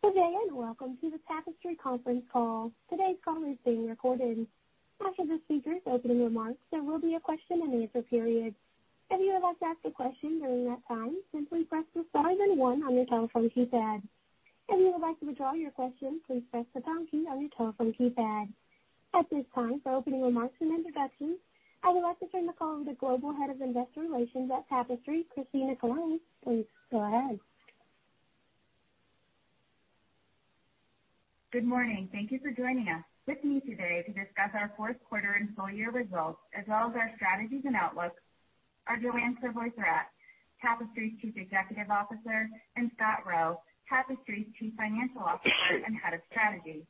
Good day, and welcome to the Tapestry conference call. Today's call is being recorded. After the speakers' opening remarks, there will be a question-and-answer period. At this time, for opening remarks and introductions, I would like to turn the call over to Global Head of Investor Relations at Tapestry, Christina Colone. Please go ahead. Good morning. Thank you for joining us. With me today to discuss our fourth quarter and full-year results, as well as our strategies and outlooks, are Joanne Crevoiserat, Tapestry's Chief Executive Officer, and Scott Roe, Tapestry's Chief Financial Officer and Head of Strategy.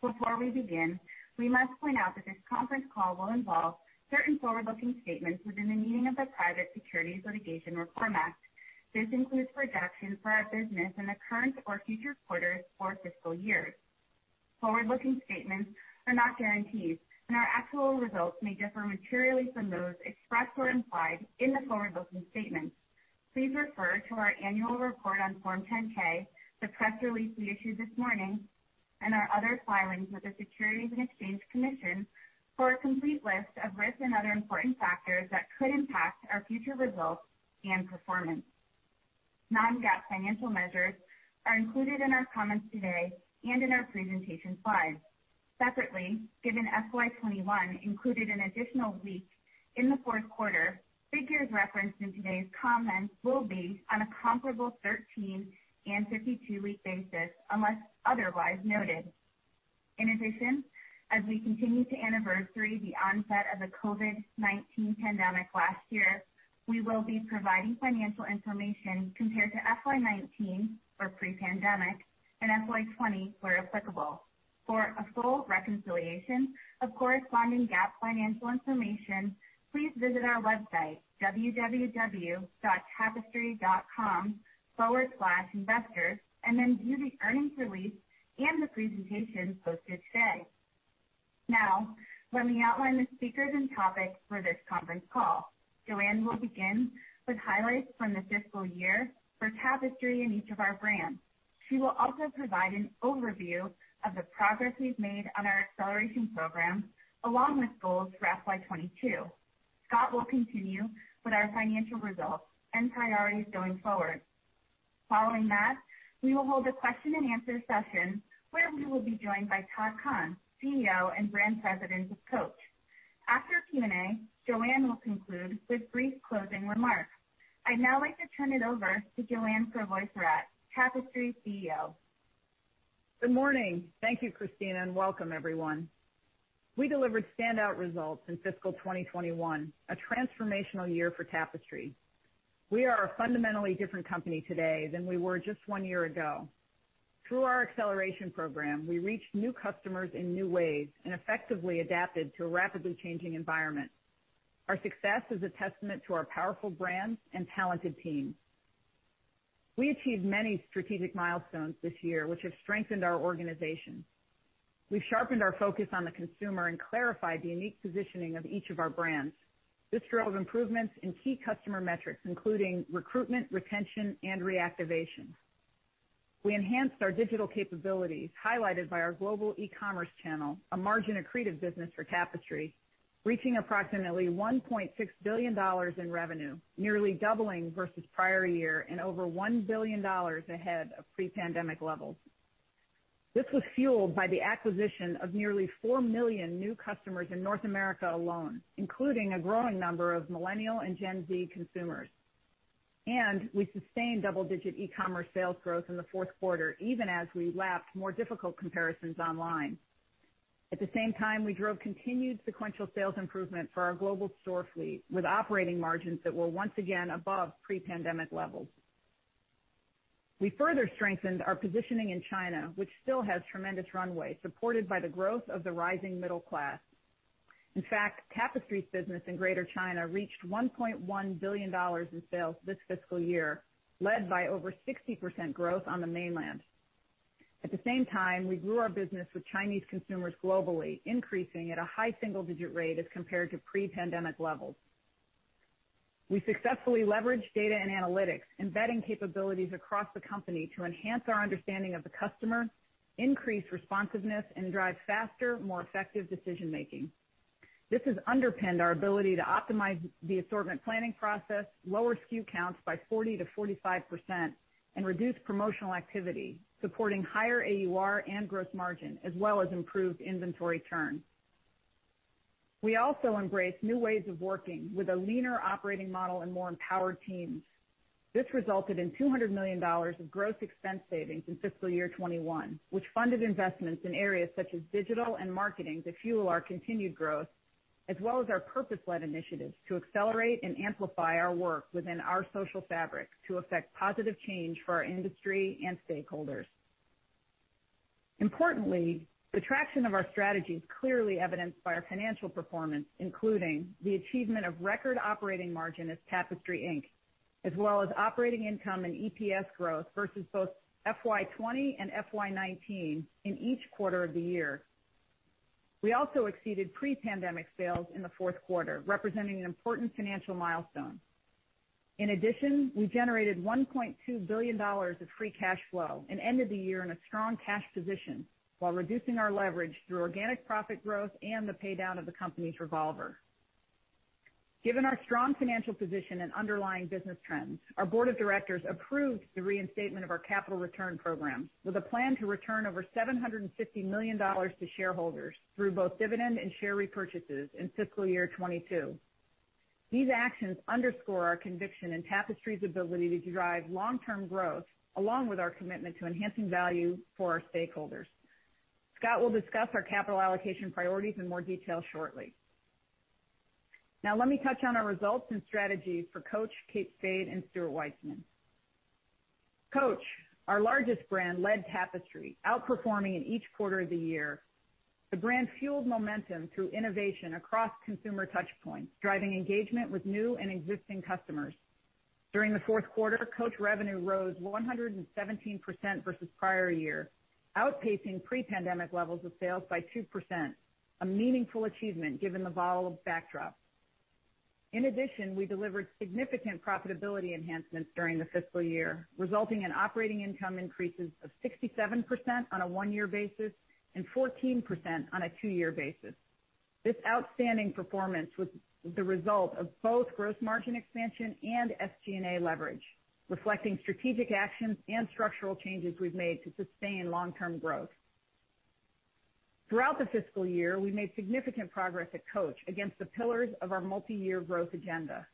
Before we begin, we must point out that this conference call will involve certain forward-looking statements within the meaning of the Private Securities Litigation Reform Act of 1995. This includes projections for our business in the current or future quarters or fiscal years. Forward-looking statements are not guarantees, and our actual results may differ materially from those expressed or implied in the forward-looking statements. Please refer to our annual report on Form 10-K, the press release we issued this morning, and our other filings with the Securities and Exchange Commission for a complete list of risks and other important factors that could impact our future results and performance. Non-GAAP financial measures are included in our comments today and in our presentation slides. Separately, given FY 2021 included an additional week in the fourth quarter, figures referenced in today's comments will be on a comparable 13 and 52-week basis, unless otherwise noted. As we continue to anniversary the onset of the COVID-19 pandemic last year, we will be providing financial information compared to FY 2019 or pre-pandemic and FY '20 where applicable. For a full reconciliation of corresponding GAAP financial information, please visit our website, www.tapestry.com/investors, view the earnings release and the presentation posted today. Let me outline the speakers and topics for this conference call. Joanne will begin with highlights from the fiscal year for Tapestry and each of our brands. She will also provide an overview of the progress we've made on our Acceleration Program, along with goals for FY 2022. Scott will continue with our financial results and priorities going forward. Following that, we will hold a question-and-answer session where we will be joined by Todd Kahn, CEO and Brand President of Coach. After Q&A, Joanne will conclude with brief closing remarks. I'd now like to turn it over to Joanne Crevoiserat, Tapestry's CEO. Good morning. Thank you, Christina, and welcome everyone. We delivered standout results in fiscal 2021, a transformational year for Tapestry. We are a fundamentally different company today than we were just one year ago. Through our Acceleration Program, we reached new customers in new ways and effectively adapted to a rapidly changing environment. Our success is a testament to our powerful brands and talented teams. We achieved many strategic milestones this year, which have strengthened our organization. We've sharpened our focus on the consumer and clarified the unique positioning of each of our brands. This drove improvements in key customer metrics, including recruitment, retention, and reactivation. We enhanced our digital capabilities, highlighted by our global e-commerce channel, a margin-accretive business for Tapestry, reaching approximately $1.6 billion in revenue, nearly doubling versus prior year and over $1 billion ahead of pre-pandemic levels. This was fueled by the acquisition of nearly 4 million new customers in North America alone, including a growing number of Millennial and Gen Z consumers. We sustained double-digit e-commerce sales growth in the fourth quarter, even as we lapped more difficult comparisons online. At the same time, we drove continued sequential sales improvement for our global store fleet, with operating margins that were once again above pre-pandemic levels. We further strengthened our positioning in China, which still has tremendous runway, supported by the growth of the rising middle class. In fact, Tapestry's business in Greater China reached $1.1 billion in sales this fiscal year, led by over 60% growth on the mainland. At the same time, we grew our business with Chinese consumers globally, increasing at a high single-digit rate as compared to pre-pandemic levels. We successfully leveraged data and analytics, embedding capabilities across the company to enhance our understanding of the customer, increase responsiveness, and drive faster, more effective decision-making. This has underpinned our ability to optimize the assortment planning process, lower SKU counts by 40%-45%, and reduce promotional activity, supporting higher AUR and gross margin, as well as improved inventory turn. We also embraced new ways of working with a leaner operating model and more empowered teams. This resulted in $200 million of gross expense savings in FY 2021, which funded investments in areas such as digital and marketing to fuel our continued growth, as well as our purpose-led initiatives to accelerate and amplify our work within our social fabric to affect positive change for our industry and stakeholders. Importantly, the traction of our strategy is clearly evidenced by our financial performance, including the achievement of record operating margin as Tapestry, Inc., as well as operating income and EPS growth versus both FY 2020 and FY 2019 in each quarter of the year. We also exceeded pre-pandemic sales in the 4th quarter, representing an important financial milestone. In addition, we generated $1.2 billion of free cash flow and ended the year in a strong cash position while reducing our leverage through organic profit growth and the paydown of the company's revolver. Given our strong financial position and underlying business trends, our board of directors approved the reinstatement of our capital return program with a plan to return over $750 million to shareholders through both dividend and share repurchases in fiscal year 2022. These actions underscore our conviction in Tapestry's ability to drive long-term growth, along with our commitment to enhancing value for our stakeholders. Scott will discuss our capital allocation priorities in more detail shortly. Now let me touch on our results and strategies for Coach, Kate Spade, and Stuart Weitzman. Coach, our largest brand, led Tapestry, outperforming in each quarter of the year. The brand fueled momentum through innovation across consumer touchpoints, driving engagement with new and existing customers. During the fourth quarter, Coach revenue rose 117% versus the prior year, outpacing pre-pandemic levels of sales by 2%, a meaningful achievement given the volatile backdrop. In addition, we delivered significant profitability enhancements during the fiscal year, resulting in operating income increases of 67% on a one-year basis and 14% on a two year basis. This outstanding performance was the result of both gross margin expansion and SG&A leverage, reflecting strategic actions and structural changes we've made to sustain long-term growth. Throughout the fiscal year, we made significant progress at Coach against the pillars of our multi-year growth agenda.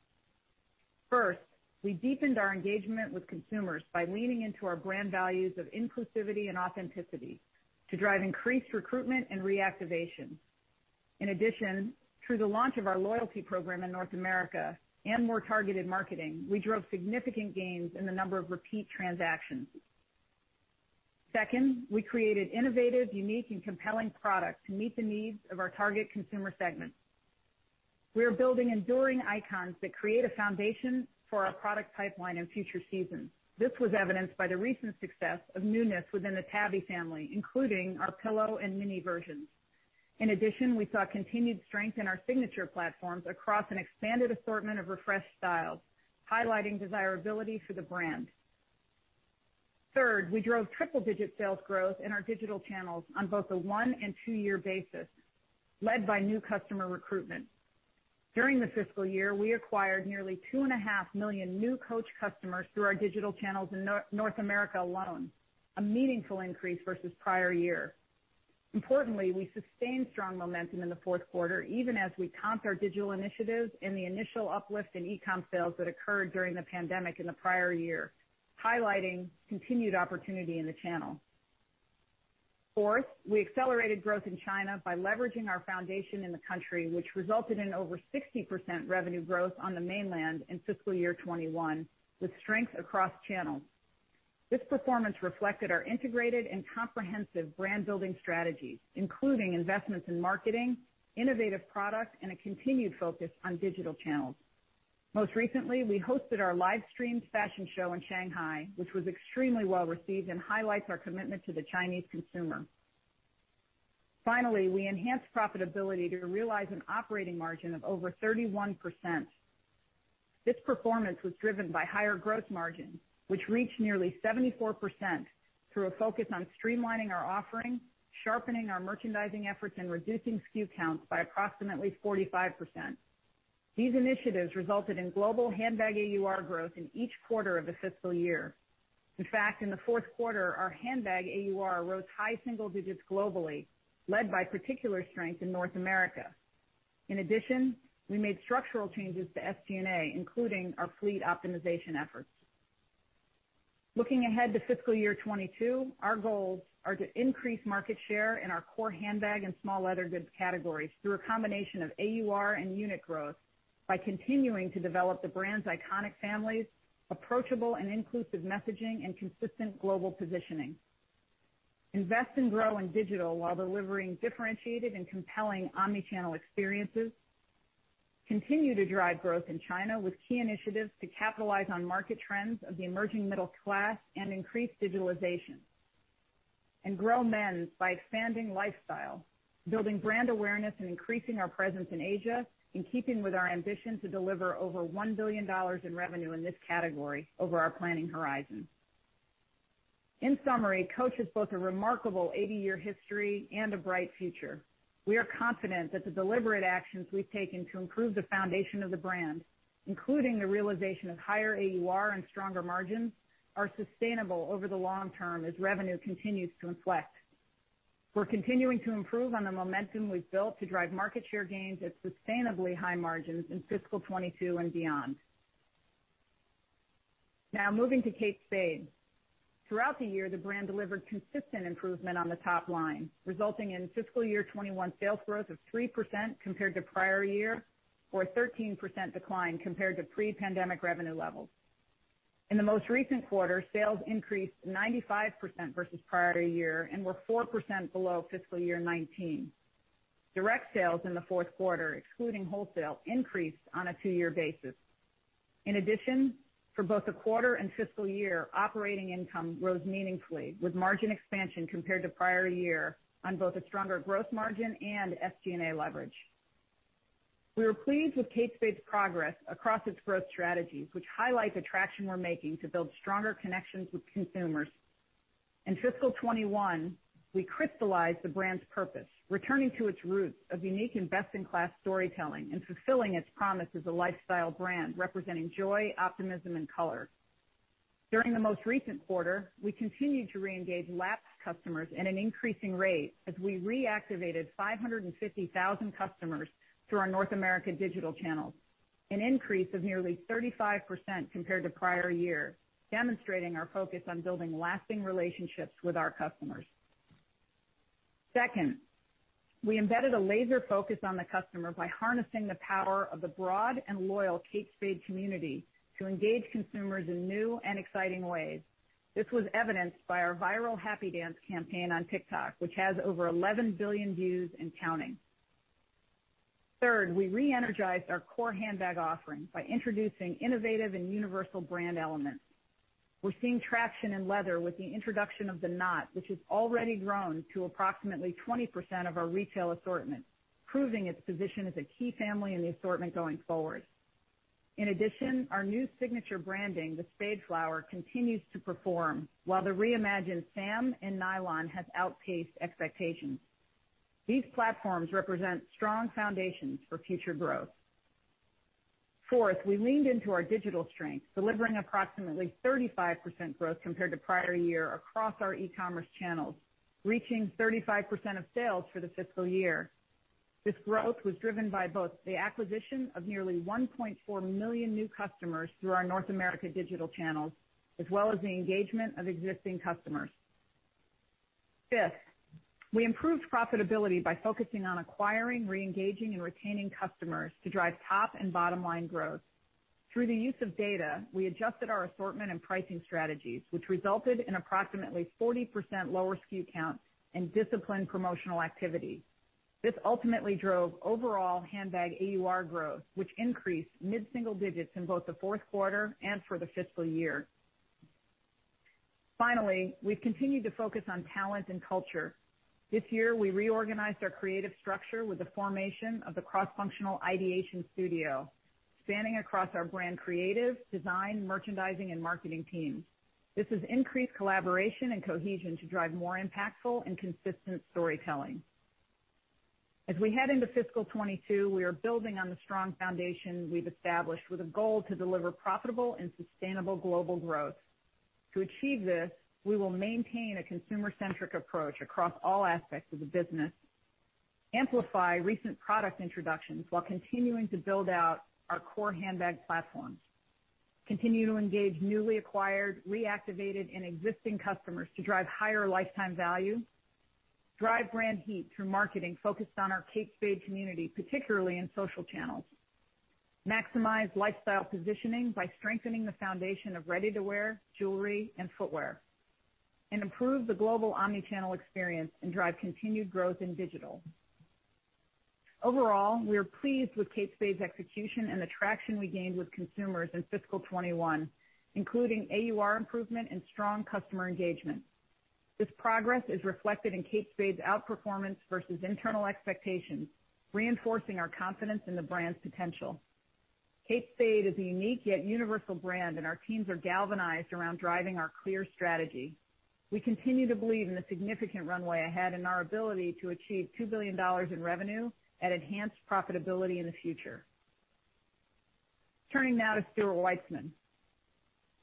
First, we deepened our engagement with consumers by leaning into our brand values of inclusivity and authenticity to drive increased recruitment and reactivation. In addition, through the launch of our loyalty program in North America and more targeted marketing, we drove significant gains in the number of repeat transactions. Second, we created innovative, unique, and compelling products to meet the needs of our target consumer segments. We are building enduring icons that create a foundation for our product pipeline in future seasons. This was evidenced by the recent success of newness within the Tabby family, including our pillow and mini versions. In addition, we saw continued strength in our signature platforms across an expanded assortment of refreshed styles, highlighting desirability for the brand. Third, we drove triple-digit sales growth in our digital channels on both a one and two year basis, led by new customer recruitment. During the fiscal year, we acquired nearly 2.5 million new Coach customers through our digital channels in North America alone, a meaningful increase versus the prior year. Importantly, we sustained strong momentum in the fourth quarter even as we comped our digital initiatives and the initial uplift in e-com sales that occurred during the pandemic in the prior year, highlighting continued opportunity in the channel. Fourth, we accelerated growth in China by leveraging our foundation in the country, which resulted in over 60% revenue growth on the mainland in FY 2021, with strength across channels. This performance reflected our integrated and comprehensive brand-building strategies, including investments in marketing, innovative products, and a continued focus on digital channels. Most recently, we hosted our live-streamed fashion show in Shanghai, which was extremely well-received and highlights our commitment to the Chinese consumer. Finally, we enhanced profitability to realize an operating margin of over 31%. This performance was driven by higher gross margins, which reached nearly 74% through a focus on streamlining our offering, sharpening our merchandising efforts, and reducing SKU counts by approximately 45%. These initiatives resulted in global handbag AUR growth in each quarter of the fiscal year. In fact, in the fourth quarter, our handbag AUR rose high single digits globally, led by particular strength in North America. In addition, we made structural changes to SG&A, including our fleet optimization efforts. Looking ahead to fiscal year 2022, our goals are to increase market share in our core handbag and small leather goods categories through a combination of AUR and unit growth by continuing to develop the brand's iconic families, approachable and inclusive messaging, and consistent global positioning. Invest and grow in digital while delivering differentiated and compelling omni-channel experiences. Continue to drive growth in China with key initiatives to capitalize on market trends of the emerging middle class and increased digitalization. Grow men's by expanding lifestyle, building brand awareness, and increasing our presence in Asia, in keeping with our ambition to deliver over $1 billion in revenue in this category over our planning horizon. In summary, Coach has both a remarkable 80 year history and a bright future. We are confident that the deliberate actions we've taken to improve the foundation of the brand, including the realization of higher AUR and stronger margins, are sustainable over the long-term as revenue continues to inflect. We're continuing to improve on the momentum we've built to drive market share gains at sustainably high margins in fiscal 2022 and beyond. Moving to Kate Spade. Throughout the year, the brand delivered consistent improvement on the top line, resulting in fiscal year 2021 sales growth of 3% compared to the prior year, or a 13% decline compared to pre-pandemic revenue levels. In the most recent quarter, sales increased 95% versus the prior year and were 4% below fiscal year 2019. Direct sales in the fourth quarter, excluding wholesale, increased on a two-year basis. For both the quarter and fiscal year, operating income rose meaningfully with margin expansion compared to prior year on both a stronger gross margin and SG&A leverage. We were pleased with Kate Spade's progress across its growth strategies, which highlights the traction we're making to build stronger connections with consumers. In FY 2021, we crystallized the brand's purpose, returning to its roots of unique and best-in-class storytelling and fulfilling its promise as a lifestyle brand representing joy, optimism, and color. During the most recent quarter, we continued to reengage lapsed customers at an increasing rate as we reactivated 550,000 customers through our North America digital channels, an increase of nearly 35% compared to prior year, demonstrating our focus on building lasting relationships with our customers. Second, we embedded a laser focus on the customer by harnessing the power of the broad and loyal Kate Spade community to engage consumers in new and exciting ways. This was evidenced by our viral Happy Dance campaign on TikTok, which has over 11 billion views and counting. Third, we re-energized our core handbag offering by introducing innovative and universal brand elements. We're seeing traction in leather with the introduction of the Knott, which has already grown to approximately 20% of our retail assortment, proving its position as a key family in the assortment going forward. In addition, our new signature branding, the Spade Flower, continues to perform while the reimagined Sam in nylon has outpaced expectations. These platforms represent strong foundations for future growth. Fourth, we leaned into our digital strength, delivering approximately 35% growth compared to prior year across our e-commerce channels, reaching 35% of sales for the fiscal year. This growth was driven by both the acquisition of nearly 1.4 million new customers through our North America digital channels, as well as the engagement of existing customers. Fifth, we improved profitability by focusing on acquiring, re-engaging, and retaining customers to drive top and bottom-line growth. Through the use of data, we adjusted our assortment and pricing strategies, which resulted in approximately 40% lower SKU count and disciplined promotional activity. This ultimately drove overall handbag AUR growth, which increased mid-single digits in both the fourth quarter and for the fiscal year. Finally, we've continued to focus on talent and culture. This year, we reorganized our creative structure with the formation of the cross-functional ideation studio, spanning across our brand creative, design, merchandising, and marketing teams. This has increased collaboration and cohesion to drive more impactful and consistent storytelling. As we head into fiscal 2022, we are building on the strong foundation we've established with a goal to deliver profitable and sustainable global growth. To achieve this, we will maintain a consumer-centric approach across all aspects of the business, amplify recent product introductions while continuing to build out our core handbag platforms, continue to engage newly acquired, reactivated, and existing customers to drive higher lifetime value, drive brand heat through marketing focused on our Kate Spade community, particularly in social channels, maximize lifestyle positioning by strengthening the foundation of ready-to-wear jewelry and footwear, and improve the global omni-channel experience and drive continued growth in digital. Overall, we are pleased with Kate Spade's execution and the traction we gained with consumers in FY 2021, including AUR improvement and strong customer engagement. This progress is reflected in Kate Spade's outperformance versus internal expectations, reinforcing our confidence in the brand's potential. Kate Spade is a unique yet universal brand, and our teams are galvanized around driving our clear strategy. We continue to believe in the significant runway ahead and our ability to achieve $2 billion in revenue at enhanced profitability in the future. Turning now to Stuart Weitzman.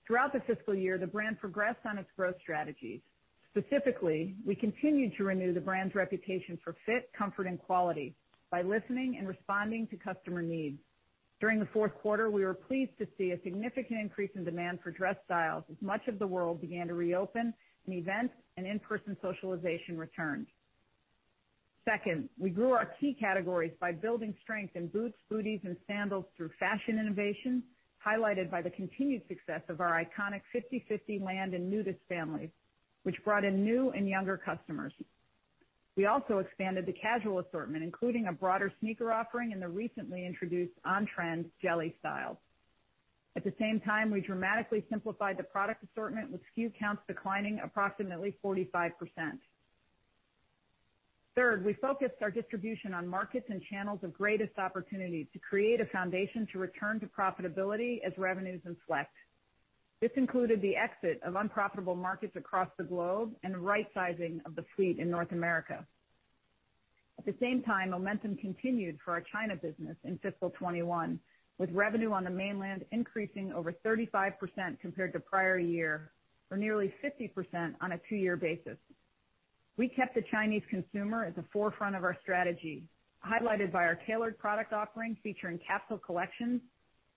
Throughout the fiscal year, the brand progressed on its growth strategy. Specifically, we continued to renew the brand's reputation for fit, comfort, and quality by listening and responding to customer needs. During the fourth quarter, we were pleased to see a significant increase in demand for dress styles as much of the world began to reopen and events and in-person socialization returned. Second, we grew our key categories by building strength in boots, booties, and sandals through fashion innovation, highlighted by the continued success of our iconic 5050, Lowland, and Nudist families, which brought in new and younger customers. We also expanded the casual assortment, including a broader sneaker offering and the recently introduced on-trend jelly style. At the same time, we dramatically simplified the product assortment with SKU counts declining approximately 45%. Third, we focused our distribution on markets and channels of greatest opportunity to create a foundation to return to profitability as revenues inflect. This included the exit of unprofitable markets across the globe and right-sizing of the fleet in North America. At the same time, momentum continued for our China business in FY 2021, with revenue on the mainland increasing over 35% compared to prior year or nearly 50% on a two-year basis. We kept the Chinese consumer at the forefront of our strategy, highlighted by our tailored product offering featuring capsule collections,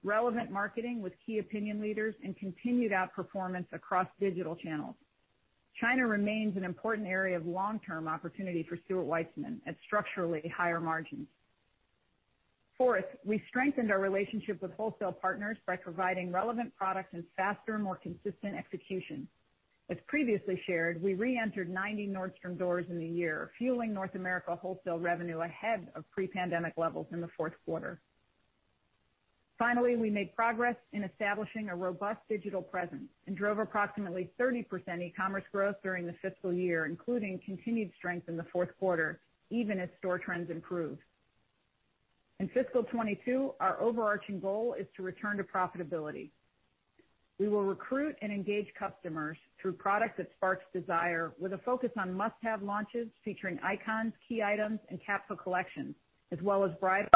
relevant marketing with key opinion leaders, and continued outperformance across digital channels. China remains an important area of long-term opportunity for Stuart Weitzman at structurally higher margins. Fourth, we strengthened our relationship with wholesale partners by providing relevant product and faster, more consistent execution. As previously shared, we reentered 90 Nordstrom stores in the year, fueling North America wholesale revenue ahead of pre-pandemic levels in the fourth quarter. Finally, we made progress in establishing a robust digital presence and drove approximately 30% e-commerce growth during the fiscal year, including continued strength in the fourth quarter, even as store trends improved. In FY 2022, our overarching goal is to return to profitability. We will recruit and engage customers through product that sparks desire with a focus on must-have launches, featuring icons, key items, and capsule collections, as well as bridal.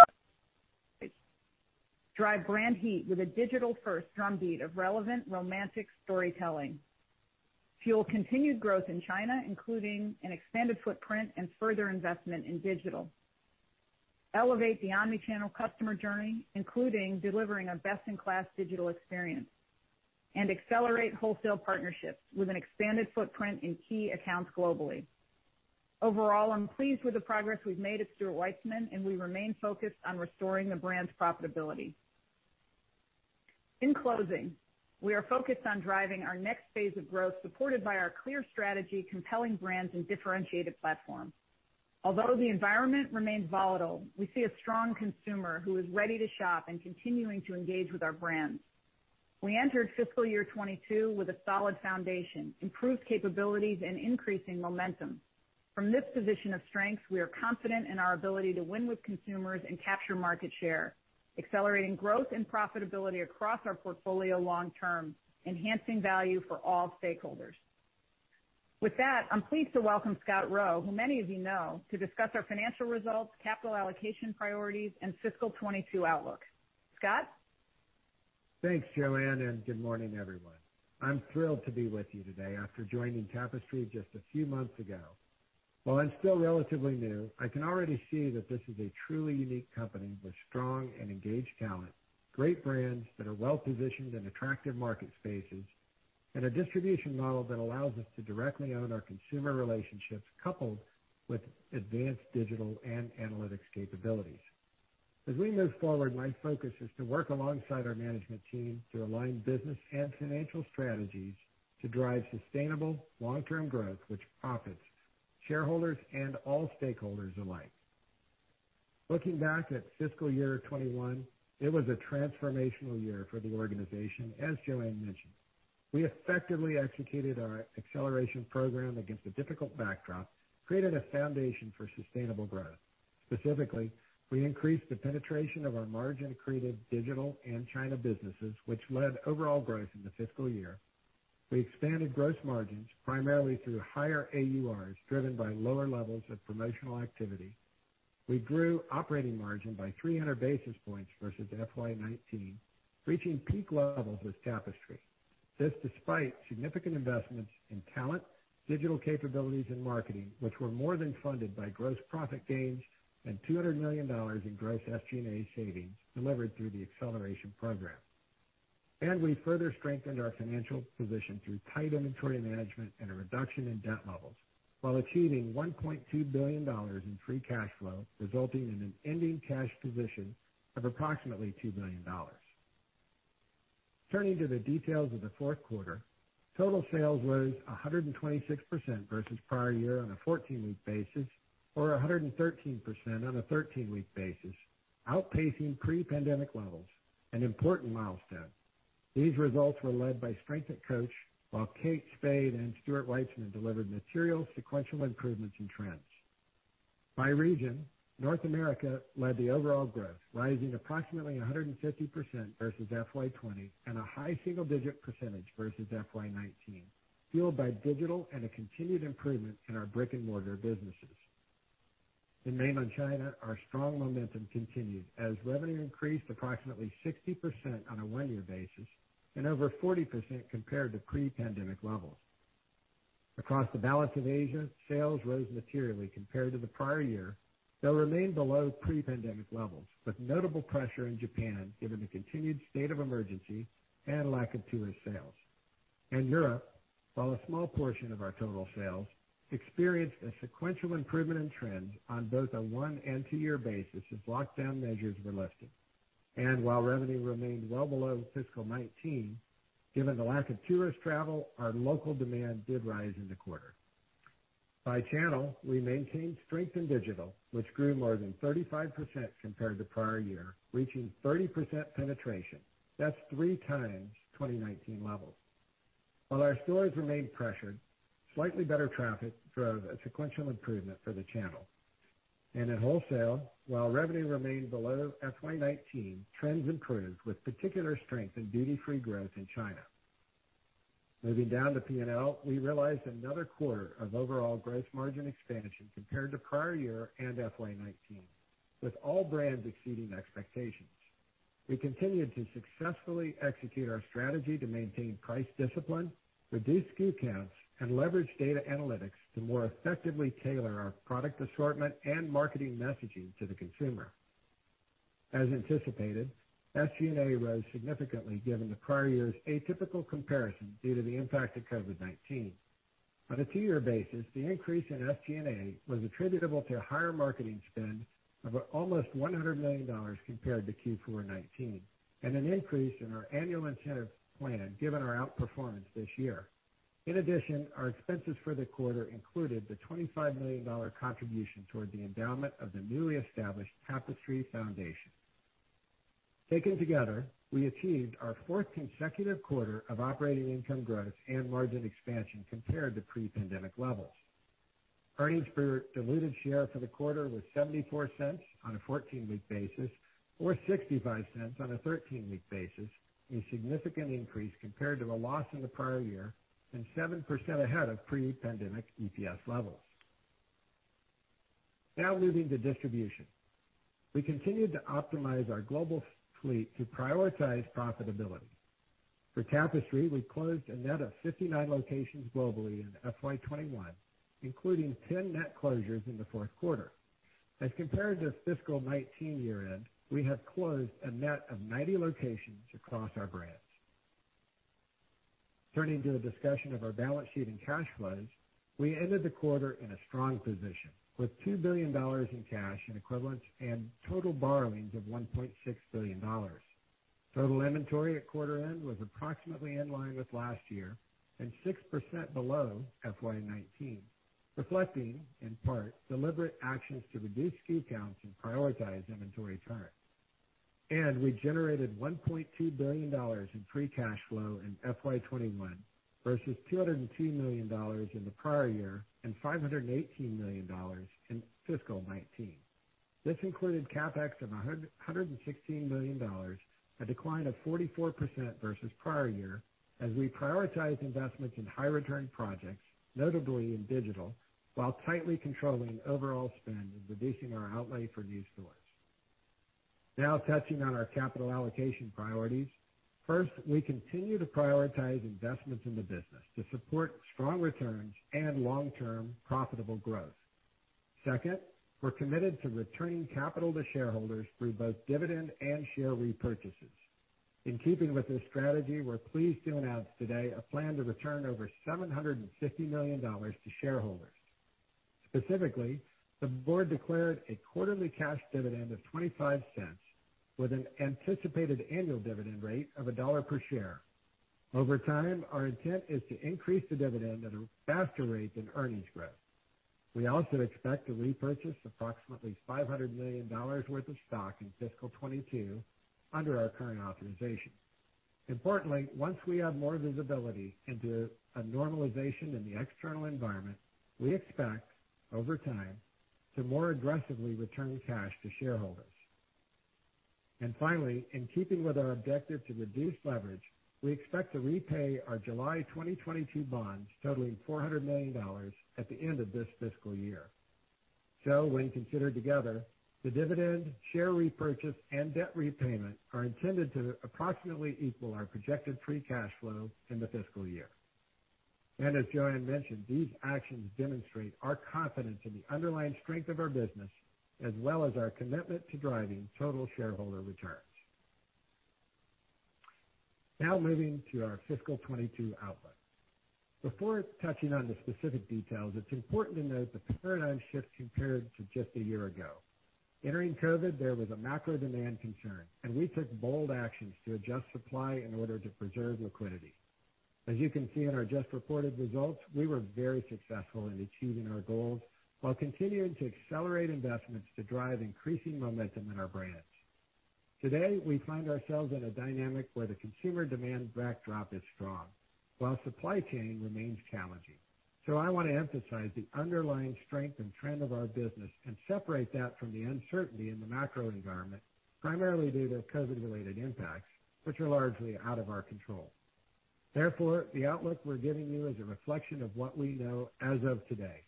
Drive brand heat with a digital-first drumbeat of relevant romantic storytelling. Fuel continued growth in China, including an expanded footprint and further investment in digital. Elevate the omni-channel customer journey, including delivering a best-in-class digital experience. Accelerate wholesale partnerships with an expanded footprint in key accounts globally. Overall, I'm pleased with the progress we've made at Stuart Weitzman, and we remain focused on restoring the brand's profitability. In closing, we are focused on driving our next phase of growth, supported by our clear strategy, compelling brands, and differentiated platform. Although the environment remains volatile, we see a strong consumer who is ready to shop and continuing to engage with our brands. We entered fiscal year 2022 with a solid foundation, improved capabilities, and increasing momentum. From this position of strength, we are confident in our ability to win with consumers and capture market share, accelerating growth and profitability across our portfolio long-term, enhancing value for all stakeholders. With that, I'm pleased to welcome Scott Roe, who many of you know, to discuss our financial results, capital allocation priorities, and fiscal 2022 outlook. Scott? Thanks, Joanne. Good morning, everyone. I'm thrilled to be with you today after joining Tapestry just a few months ago. While I'm still relatively new, I can already see that this is a truly unique company with strong and engaged talent, great brands that are well-positioned in attractive market spaces, and a distribution model that allows us to directly own our consumer relationships, coupled with advanced digital and analytics capabilities. As we move forward, my focus is to work alongside our management team to align business and financial strategies to drive sustainable long-term growth which profits shareholders and all stakeholders alike. Looking back at fiscal year 2021, it was a transformational year for the organization, as Joanne mentioned. We effectively executed our acceleration program against a difficult backdrop, created a foundation for sustainable growth. Specifically, we increased the penetration of our margin-accretive digital and China businesses, which led overall growth in the fiscal year. We expanded gross margins primarily through higher AURs, driven by lower levels of promotional activity. We grew operating margin by 300 basis points versus FY 2019, reaching peak levels with Tapestry. This despite significant investments in talent, digital capabilities, and marketing, which were more than funded by gross profit gains and $200 million in gross SG&A savings delivered through the acceleration program. We further strengthened our financial position through tight inventory management and a reduction in debt levels while achieving $1.2 billion in free cash flow, resulting in an ending cash position of approximately $2 billion. Turning to the details of the fourth quarter, total sales rose 126% versus prior year on a 14-week basis, or 113% on a 13-week basis, outpacing pre-pandemic levels, an important milestone. These results were led by strength at Coach, while Kate Spade and Stuart Weitzman delivered material sequential improvements in trends. By region, North America led the overall growth, rising approximately 150% versus FY 2020, and a high single-digit percentage versus FY 2019, fueled by digital and a continued improvement in our brick-and-mortar businesses. In Mainland China, our strong momentum continued as revenue increased approximately 60% on a one-year basis and over 40% compared to pre-pandemic levels. Across the balance of Asia, sales rose materially compared to the prior year, though remained below pre-pandemic levels, with notable pressure in Japan, given the continued state of emergency and lack of tourist sales. In Europe, while a small portion of our total sales, experienced a sequential improvement in trends on both a one- and two-year basis as lockdown measures were lifted. While revenue remained well below FY 2019, given the lack of tourist travel, our local demand did rise in the quarter. By channel, we maintained strength in digital, which grew more than 35% compared to prior year, reaching 30% penetration. That's three times 2019 levels. While our stores remained pressured, slightly better traffic drove a sequential improvement for the channel. At wholesale, while revenue remained below FY 2019, trends improved with particular strength in duty-free growth in China. Moving down to P&L, we realized another quarter of overall gross margin expansion compared to prior year and FY 2019, with all brands exceeding expectations. We continued to successfully execute our strategy to maintain price discipline, reduce SKU counts, and leverage data analytics to more effectively tailor our product assortment and marketing messaging to the consumer. As anticipated, SG&A rose significantly given the prior year's atypical comparison due to the impact of COVID-19. On a two-year basis, the increase in SG&A was attributable to higher marketing spend of almost $100 million compared to Q4 2019, and an increase in our annual incentive plan, given our outperformance this year. In addition, our expenses for the quarter included the $25 million contribution toward the endowment of the newly established Tapestry Foundation. Taken together, we achieved our fourth consecutive quarter of operating income growth and margin expansion compared to pre-pandemic levels. Earnings per diluted share for the quarter was $0.74 on a 14-week basis or $0.65 on a 13-week basis, a significant increase compared to a loss in the prior year, and 7% ahead of pre-pandemic EPS levels. Now moving to distribution. We continued to optimize our global fleet to prioritize profitability. For Tapestry, we closed a net of 59 locations globally in FY 2021, including 10 net closures in the fourth quarter. As compared to fiscal 2019 year-end, we have closed a net of 90 locations across our brands. Turning to a discussion of our balance sheet and cash flows, we ended the quarter in a strong position with $2 billion in cash and equivalents and total borrowings of $1.6 billion. Total inventory at quarter end was approximately in line with last year and 6% below FY 2019, reflecting, in part, deliberate actions to reduce SKU counts and prioritize inventory turns. We generated $1.2 billion in free cash flow in FY 2021 versus $202 million in the prior year and $518 million in fiscal 2019. This included CapEx of $116 million, a decline of 44% versus prior year as we prioritized investments in high return projects, notably in digital, while tightly controlling overall spend and reducing our outlay for new stores. Touching on our capital allocation priorities. First, we continue to prioritize investments in the business to support strong returns and long-term profitable growth. Second, we're committed to returning capital to shareholders through both dividend and share repurchases. In keeping with this strategy, we're pleased to announce today a plan to return over $750 million to shareholders. Specifically, the board declared a quarterly cash dividend of $0.25, with an anticipated annual dividend rate of $1 per share. Over time, our intent is to increase the dividend at a faster rate than earnings growth. We also expect to repurchase approximately $500 million worth of stock in fiscal 2022 under our current authorization. Importantly, once we have more visibility into a normalization in the external environment, we expect, over time, to more aggressively return cash to shareholders. Finally, in keeping with our objective to reduce leverage, we expect to repay our July 2022 bonds totaling $400 million at the end of this fiscal year. When considered together, the dividend, share repurchase, and debt repayment are intended to approximately equal our projected free cash flow in the fiscal year. As Joanne mentioned, these actions demonstrate our confidence in the underlying strength of our business, as well as our commitment to driving total shareholder returns. Moving to our fiscal 2022 outlook. Before touching on the specific details, it's important to note the paradigm shift compared to just a year ago. Entering COVID, there was a macro demand concern, and we took bold actions to adjust supply in order to preserve liquidity. As you can see in our just reported results, we were very successful in achieving our goals while continuing to accelerate investments to drive increasing momentum in our brands. Today, we find ourselves in a dynamic where the consumer demand backdrop is strong, while supply chain remains challenging. I want to emphasize the underlying strength and trend of our business and separate that from the uncertainty in the macro environment, primarily due to COVID-related impacts, which are largely out of our control. The outlook we're giving you is a reflection of what we know as of today.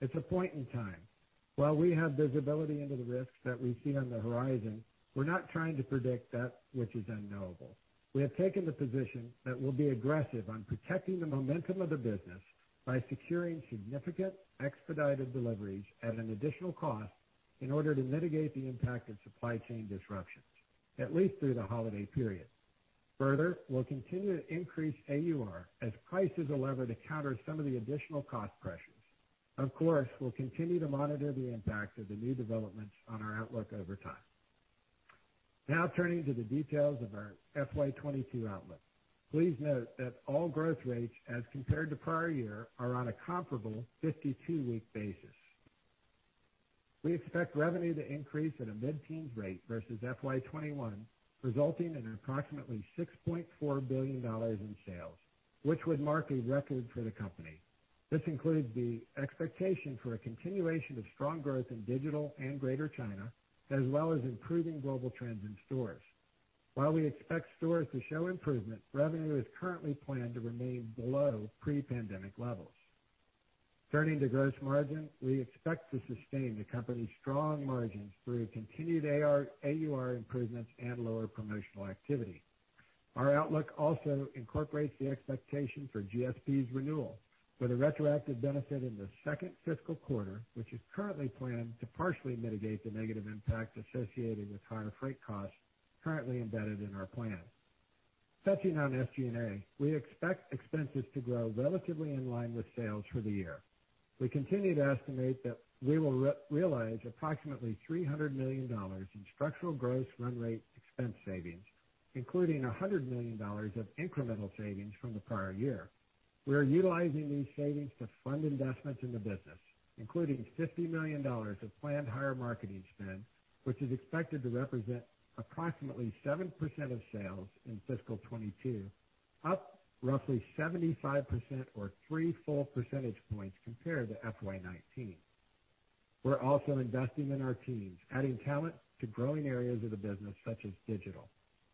It's a point in time. While we have visibility into the risks that we see on the horizon, we're not trying to predict that which is unknowable. We have taken the position that we'll be aggressive on protecting the momentum of the business by securing significant expedited deliveries at an additional cost in order to mitigate the impact of supply chain disruptions, at least through the holiday period. We'll continue to increase AUR as price is a lever to counter some of the additional cost pressures. Of course, we'll continue to monitor the impact of the new developments on our outlook over time. Turning to the details of our FY 2022 outlook. Please note that all growth rates as compared to prior year are on a comparable 52-week basis. We expect revenue to increase at a mid-teens rate versus FY 2021, resulting in approximately $6.4 billion in sales, which would mark a record for the company. This includes the expectation for a continuation of strong growth in digital and Greater China, as well as improving global trends in stores. While we expect stores to show improvement, revenue is currently planned to remain below pre-pandemic levels. Turning to gross margin, we expect to sustain the company's strong margins through continued AUR improvements and lower promotional activity. Our outlook also incorporates the expectation for GSP's renewal with a retroactive benefit in the second fiscal quarter, which is currently planned to partially mitigate the negative impacts associated with higher freight costs currently embedded in our plan. Touching on SG&A, we expect expenses to grow relatively in line with sales for the year. We continue to estimate that we will realize approximately $300 million in structural gross run rate expense savings, including $100 million of incremental savings from the prior year. We are utilizing these savings to fund investments in the business, including $50 million of planned higher marketing spend, which is expected to represent approximately 7% of sales in FY 2022, up roughly 75% or three full percentage points compared to FY 2019. We're also investing in our teams, adding talent to growing areas of the business such as digital,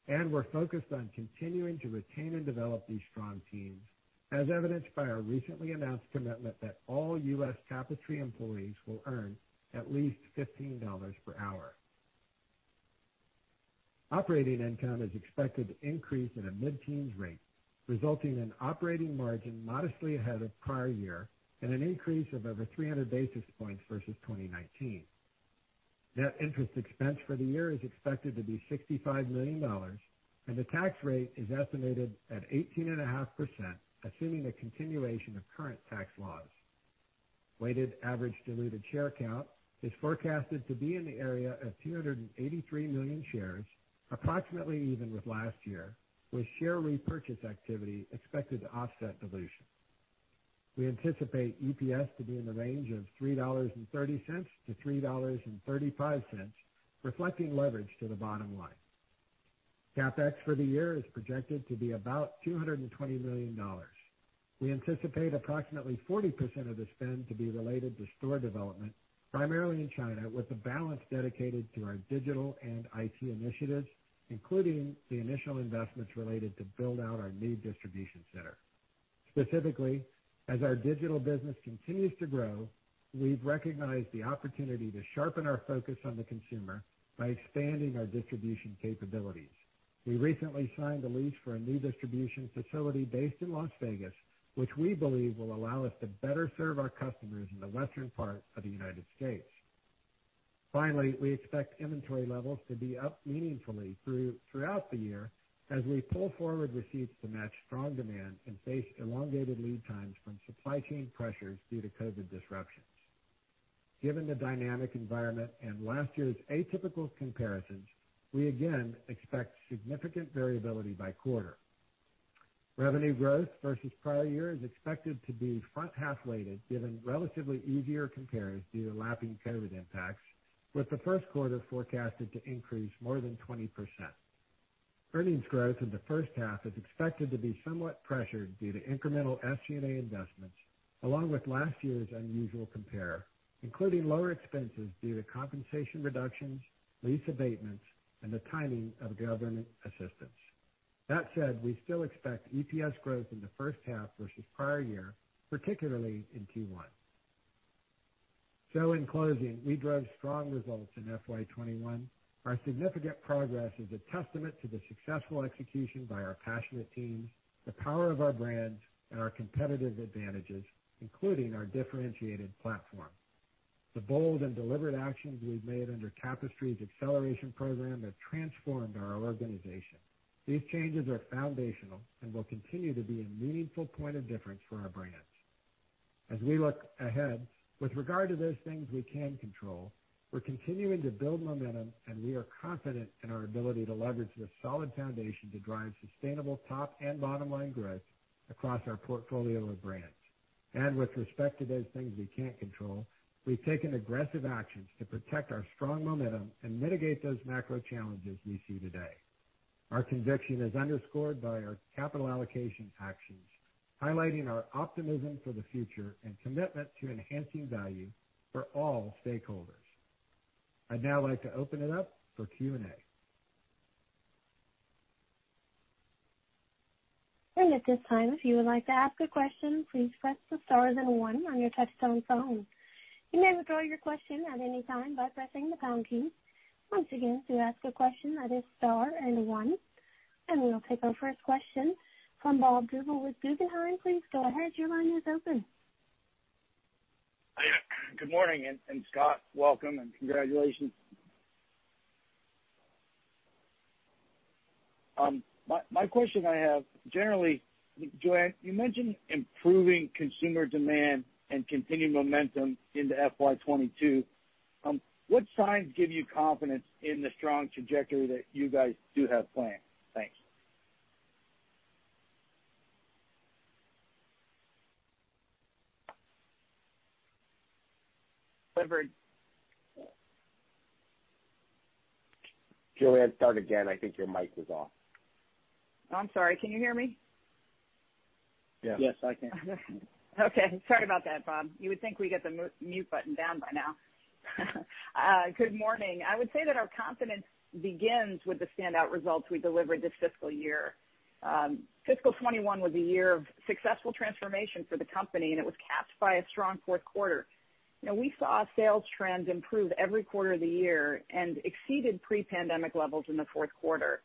and we're focused on continuing to retain and develop these strong teams, as evidenced by our recently announced commitment that all U.S. Tapestry employees will earn at least $15 per hour. Operating income is expected to increase at a mid-teens rate, resulting in operating margin modestly ahead of prior year and an increase of over 300 basis points versus 2019. Net interest expense for the year is expected to be $65 million, and the tax rate is estimated at 18.5%, assuming the continuation of current tax laws. Weighted average diluted share count is forecasted to be in the area of 283 million shares, approximately even with last year, with share repurchase activity expected to offset dilution. We anticipate EPS to be in the range of $3.30- $3.35, reflecting leverage to the bottom line. CapEx for the year is projected to be about $220 million. We anticipate approximately 40% of the spend to be related to store development, primarily in China, with the balance dedicated to our digital and IT initiatives, including the initial investments related to build out our new distribution center. Specifically, as our digital business continues to grow, we've recognized the opportunity to sharpen our focus on the consumer by expanding our distribution capabilities. We recently signed a lease for a new distribution facility based in Las Vegas, which we believe will allow us to better serve our customers in the western part of the United States. Finally, we expect inventory levels to be up meaningfully throughout the year as we pull forward receipts to match strong demand and face elongated lead times from supply chain pressures due to COVID disruptions. Given the dynamic environment and last year's atypical comparisons, we again expect significant variability by quarter. Revenue growth versus prior year is expected to be front-half weighted, given relatively easier compares due to lapping COVID impacts, with the first quarter forecasted to increase more than 20%. Earnings growth in the first half is expected to be somewhat pressured due to incremental SG&A investments, along with last year's unusual compare, including lower expenses due to compensation reductions, lease abatements, and the timing of government assistance. We still expect EPS growth in the first half versus prior year, particularly in Q1. In closing, we drove strong results in FY 2021. Our significant progress is a testament to the successful execution by our passionate teams, the power of our brands, and our competitive advantages, including our differentiated platform. The bold and deliberate actions we've made under Tapestry's acceleration program have transformed our organization. These changes are foundational and will continue to be a meaningful point of difference for our brands. As we look ahead with regard to those things we can control, we're continuing to build momentum, and we are confident in our ability to leverage this solid foundation to drive sustainable top and bottom line growth across our portfolio of brands. With respect to those things we can't control, we've taken aggressive actions to protect our strong momentum and mitigate those macro challenges we see today. Our conviction is underscored by our capital allocation actions, highlighting our optimism for the future and commitment to enhancing value for all stakeholders. I'd now like to open it up for Q&A. At this time, if you would like to ask a question, please press the star then one on your touchtone phone. You may withdraw your question at any time by pressing the pound key. Once again, to ask a question, that is star and one. We will take our first question from Bob Drbul with Guggenheim. Please go ahead, your line is open. Good morning, Scott, welcome and congratulations. My question I have, generally, Joanne, you mentioned improving consumer demand and continued momentum into FY 2022. What signs give you confidence in the strong trajectory that you guys do have planned? Thanks. Delivered. Joanne, start again. I think your mic was off. I'm sorry. Can you hear me? Yes. Yes, I can. Okay. Sorry about that, Bob. You would think we'd get the mute button down by now. Good morning. I would say that our confidence begins with the standout results we delivered this fiscal year. Fiscal 2021 was a year of successful transformation for the company, and it was capped by a strong fourth quarter. We saw sales trends improve every quarter of the year and exceeded pre-pandemic levels in the fourth quarter.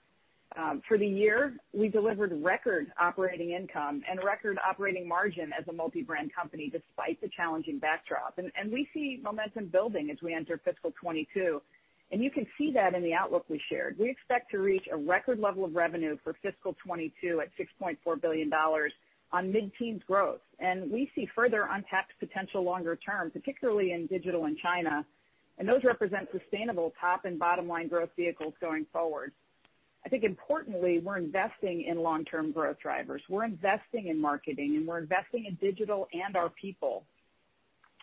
For the year, we delivered record operating income and record operating margin as a multi-brand company, despite the challenging backdrop. We see momentum building as we enter fiscal 2022, and you can see that in the outlook we shared. We expect to reach a record level of revenue for fiscal 2022 at $6.4 billion on mid-teens growth. We see further untapped potential longer-term, particularly in digital and China, and those represent sustainable top and bottom-line growth vehicles going forward. I think importantly, we're investing in long-term growth drivers. We're investing in marketing and we're investing in digital and our people.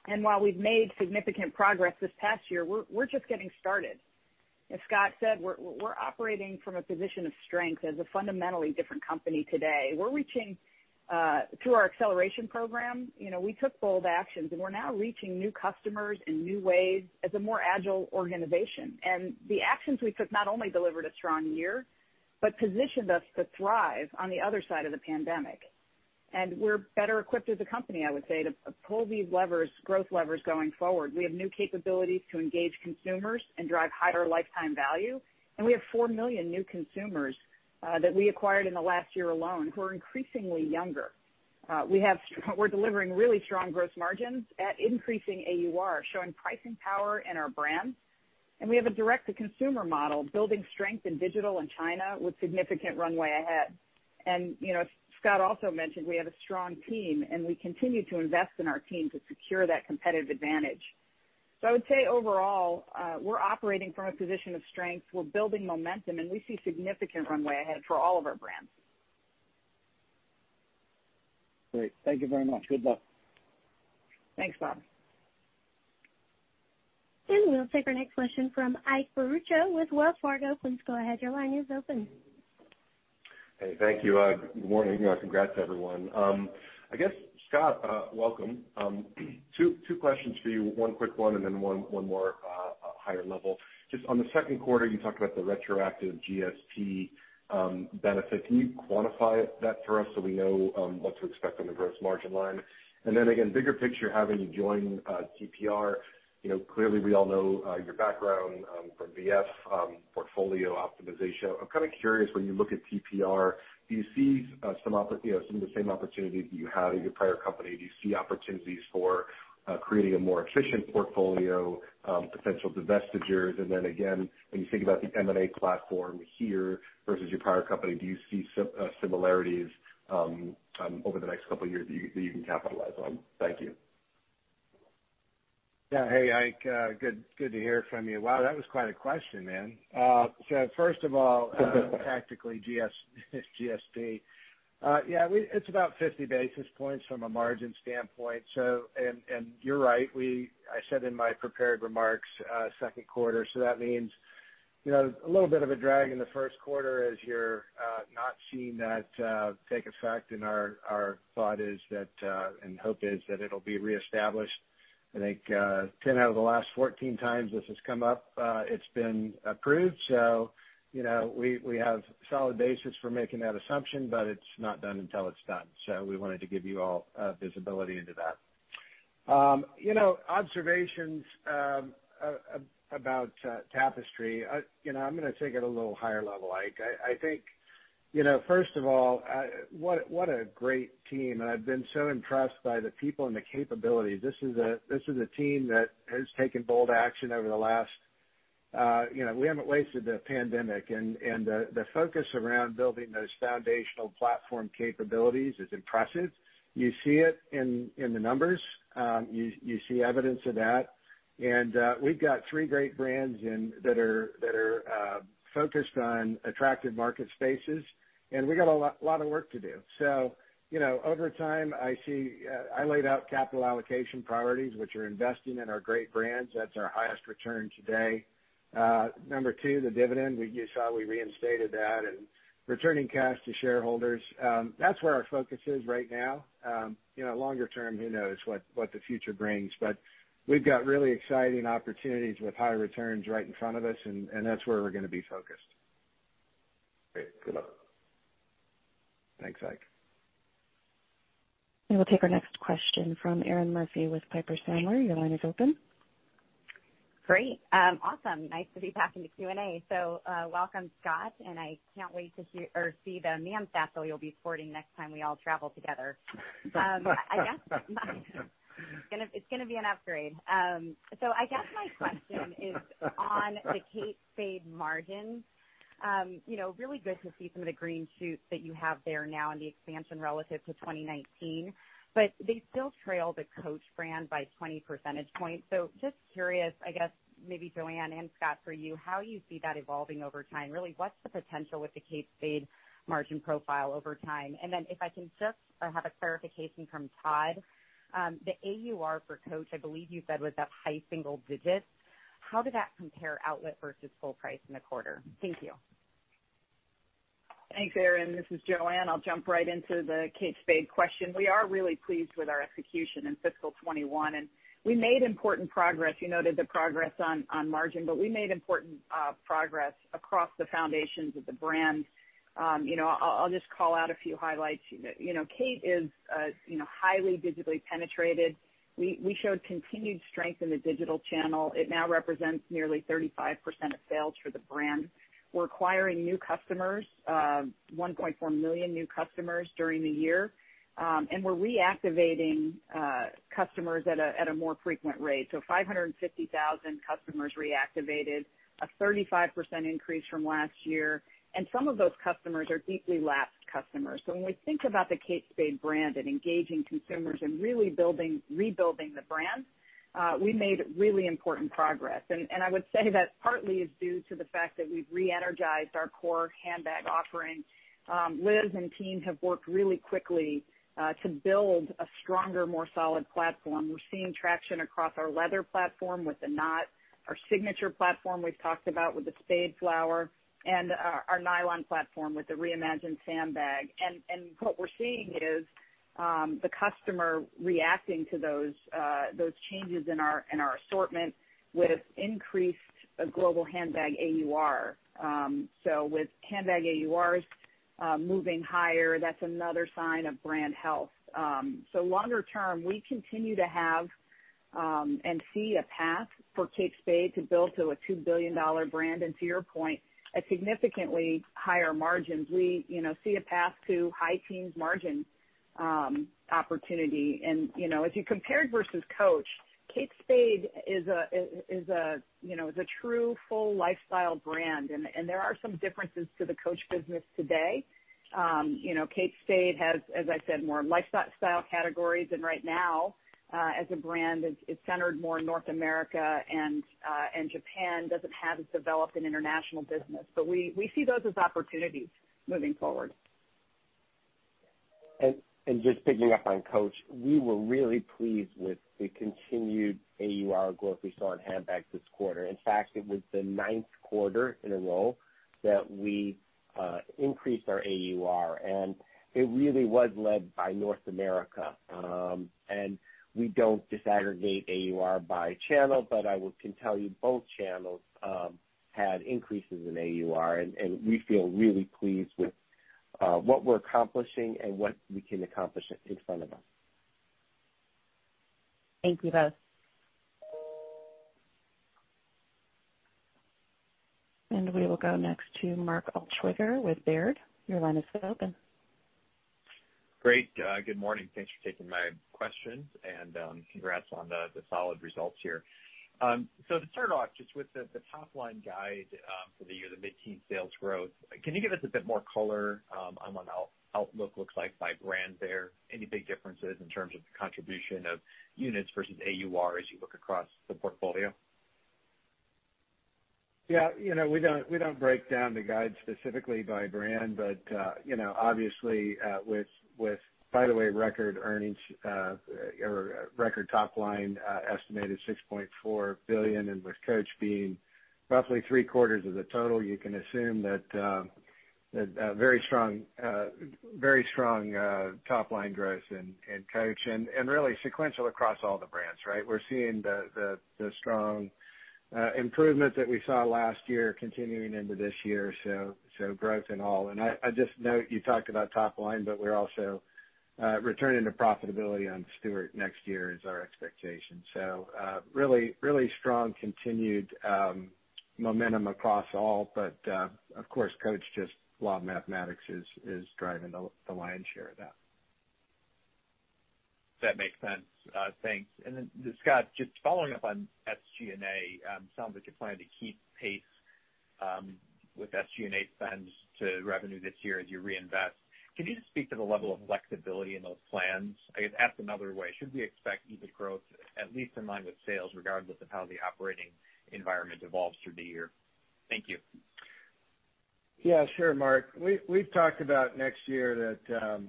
While we've made significant progress this past year, we're just getting started. As Scott said, we're operating from a position of strength as a fundamentally different company today. Through our acceleration program, we took bold actions. We're now reaching new customers in new ways as a more agile organization. The actions we took not only delivered a strong year, but positioned us to thrive on the other side of the pandemic. We're better equipped as a company, I would say, to pull these growth levers going forward. We have new capabilities to engage consumers and drive higher lifetime value. We have 4 million new consumers that we acquired in the last year alone, who are increasingly younger. We're delivering really strong gross margins at increasing AUR, showing pricing power in our brand. We have a direct-to-consumer model building strength in digital and China with significant runway ahead. As Scott also mentioned, we have a strong team, and we continue to invest in our team to secure that competitive advantage. I would say overall, we're operating from a position of strength, we're building momentum, and we see significant runway ahead for all of our brands. Great. Thank you very much. Good luck. Thanks, Bob. We'll take our next question from Ike Boruchow with Wells Fargo. Please go ahead, your line is open. Hey, thank you. Good morning, and congrats everyone. Scott, welcome. Two questions for you, one quick one and then one more higher level. Just on the second quarter, you talked about the retroactive GSP benefit. Can you quantify that for us so we know what to expect on the gross margin line? Again, bigger picture, having joined TPR. Clearly we all know your background from VF, portfolio optimization. I'm curious, when you look at TPR, do you see some of the same opportunities that you had at your prior company? Do you see opportunities for creating a more efficient portfolio, potential divestitures, and then again, when you think about the M&A platform here versus your prior company, do you see similarities over the next couple of years that you can capitalize on? Thank you. Yeah. Hey, Ike. Good to hear from you. Wow, that was quite a question, man. First of all tactically GSP. Yeah, it's about 50 basis points from a margin standpoint. You're right, I said in my prepared remarks, second quarter, that means a little bit of a drag in the first quarter as you're not seeing that take effect, our thought is that, hope is that it'll be reestablished. I think 10 out of the last 14x this has come up it's been approved. We have solid basis for making that assumption, it's not done until it's done. We wanted to give you all visibility into that. Observations about Tapestry. I'm going to take it a little higher level, Ike. I think first of all, what a great team, I've been so impressed by the people and the capabilities. This is a team that has taken bold action over the last We haven't wasted the pandemic, and the focus around building those foundational platform capabilities is impressive. You see it in the numbers. You see evidence of that. We've got three great brands that are focused on attractive market spaces, and we got a lot of work to do. Over time, I laid out capital allocation priorities, which are investing in our great brands. That's our highest return today. Number two, the dividend. You saw we reinstated that, and returning cash to shareholders. That's where our focus is right now. Longer-term, who knows what the future brings. We've got really exciting opportunities with high returns right in front of us, and that's where we're going to be focused. Great. Good luck. Thanks, Ike. We'll take our next question from Erinn Murphy with Piper Sandler. Your line is open. Great. Awesome. Nice to be back in the Q&A. Welcome, Scott, and I can't wait to see the Miami stache that you'll be sporting next time we all travel together. It's going to be an upgrade. I guess my question is on the Kate Spade margin. Really good to see some of the green shoots that you have there now and the expansion relative to 2019. They still trail the Coach brand by 20 percentage points. Just curious, I guess maybe Joanne and Scott for you, how you see that evolving over time. Really, what's the potential with the Kate Spade margin profile over time? If I can just have a clarification from Todd. The AUR for Coach, I believe you said was up high single digits. How did that compare outlet versus full price in the quarter? Thank you. Thanks, Erinn. This is Joanne. I'll jump right into the Kate Spade question. We are really pleased with our execution in FY 2021, and we made important progress. You noted the progress on margin, but we made important progress across the foundations of the brand. I'll just call out a few highlights. Kate is highly digitally penetrated. We showed continued strength in the digital channel. It now represents nearly 35% of sales for the brand. We're acquiring new customers, 1.4 million new customers during the year. We're reactivating customers at a more frequent rate. 550,000 customers reactivated, a 35% increase from last year, and some of those customers are deeply lapsed customers. When we think about the Kate Spade brand and engaging consumers and really rebuilding the brand, we made really important progress. I would say that partly is due to the fact that we've re-energized our core handbag offering. Liz and team have worked really quickly to build a stronger, more solid platform. We're seeing traction across our leather platform with the Knott, our signature platform we've talked about with the Spade Flower, and our nylon platform with the reimagined Sam bag. What we're seeing is the customer reacting to those changes in our assortment with increased global handbag AUR. With handbag AURs moving higher, that's another sign of brand health. Longer term, we continue to have and see a path for Kate Spade to build to a $2 billion brand. To your point, at significantly higher margins. We see a path to high teens margin opportunity. If you compared versus Coach, Kate Spade is a true full lifestyle brand. There are some differences to the Coach business today. Kate Spade has, as I said, more lifestyle categories. Right now as a brand, it's centered more in North America and Japan, doesn't have as developed an international business. We see those as opportunities moving forward. Just picking up on Coach, we were really pleased with the continued AUR growth we saw in handbags this quarter. In fact, it was the ninth quarter in a row that we increased our AUR, and it really was led by North America. We don't disaggregate AUR by channel, but I can tell you both channels had increases in AUR, and we feel really pleased with what we're accomplishing and what we can accomplish in front of us. Thank you, both. We will go next to Mark Altschwager with Baird. Great. Good morning. Thanks for taking my questions and congrats on the solid results here. To start off just with the top-line guide for the year, the mid-teen sales growth, can you give us a bit more color on what outlook looks like by brand there? Any big differences in terms of the contribution of units versus AUR as you look across the portfolio? We don't break down the guide specifically by brand, but obviously with, by the way, record earnings or record top line estimated $6.4 billion, and with Coach being roughly three-quarters of the total, you can assume that very strong top line growth in Coach and really sequential across all the brands, right? We're seeing the strong improvement that we saw last year continuing into this year. Growth in all. I just note you talked about top line, but we're also returning to profitability on Stuart Weitzman next year is our expectation. Really strong continued momentum across all. Of course, Coach, just law of mathematics is driving the lion's share of that. That makes sense. Thanks. Scott, just following up on SG&A, sounds like you're planning to keep pace with SG&A spends to revenue this year as you reinvest. Can you just speak to the level of flexibility in those plans? I guess asked another way, should we expect EBITDA growth at least in line with sales, regardless of how the operating environment evolves through the year? Thank you. Yeah, sure, Mark. We've talked about next year that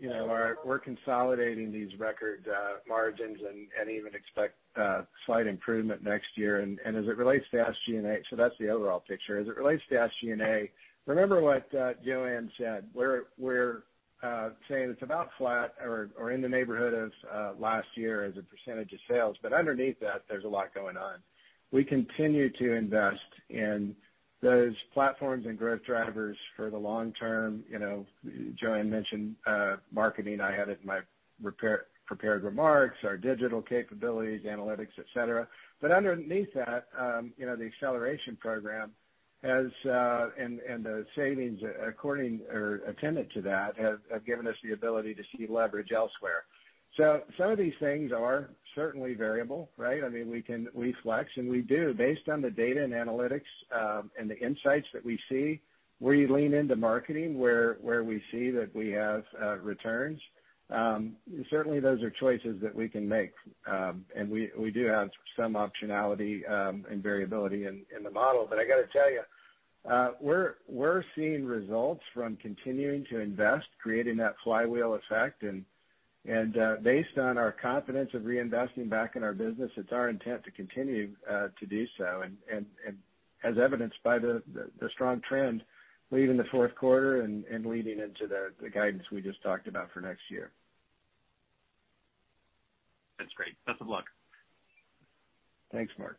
we're consolidating these record margins and even expect slight improvement next year. As it relates to SG&A, that's the overall picture. As it relates to SG&A, remember what Joanne said, we're saying it's about flat or in the neighborhood of last year as a percentage of sales. Underneath that, there's a lot going on. We continue to invest in those platforms and growth drivers for the long-term. Joanne mentioned marketing, I had it in my prepared remarks, our digital capabilities, analytics, et cetera. Underneath that, the acceleration program and the savings attendant to that have given us the ability to see leverage elsewhere. Some of these things are certainly variable, right? I mean, we flex and we do based on the data and analytics and the insights that we see, where you lean into marketing, where we see that we have returns. Certainly, those are choices that we can make. We do have some optionality and variability in the model. I got to tell you, we're seeing results from continuing to invest, creating that flywheel effect. Based on our confidence of reinvesting back in our business, it's our intent to continue to do so. As evidenced by the strong trend late in the fourth quarter and leading into the guidance we just talked about for next year. That's great. Best of luck. Thanks, Mark.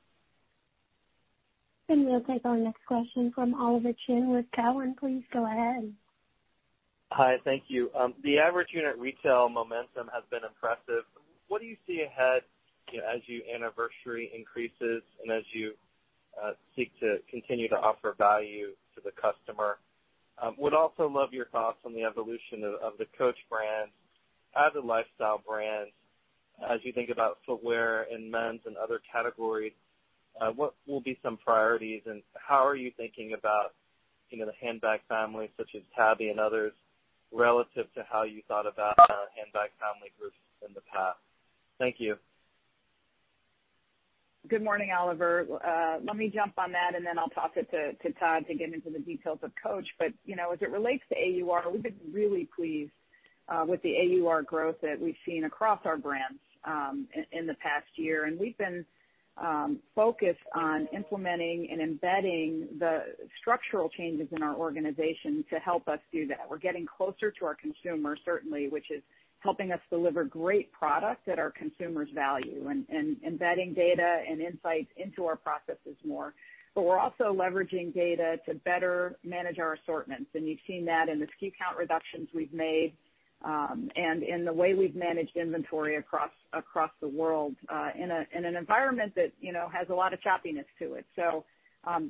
We'll take our next question from Oliver Chen with Cowen. Please go ahead. Hi. Thank you. The average unit retail momentum has been impressive. What do you see ahead as you anniversary increases and as you seek to continue to offer value to the customer? Would also love your thoughts on the evolution of the Coach brand as a lifestyle brand, as you think about footwear and men's and other categories. What will be some priorities, and how are you thinking about the handbag family, such as Tabby and others, relative to how you thought about handbag family groups in the past? Thank you. Good morning, Oliver. Let me jump on that, and then I'll toss it to Todd to get into the details of Coach. As it relates to AUR, we've been really pleased with the AUR growth that we've seen across our brands in the past year. We've been focused on implementing and embedding the structural changes in our organization to help us do that. We're getting closer to our consumer, certainly, which is helping us deliver great product that our consumers value and embedding data and insights into our processes more. We're also leveraging data to better manage our assortments. You've seen that in the SKU count reductions we've made and in the way we've managed inventory across the world in an environment that has a lot of choppiness to it.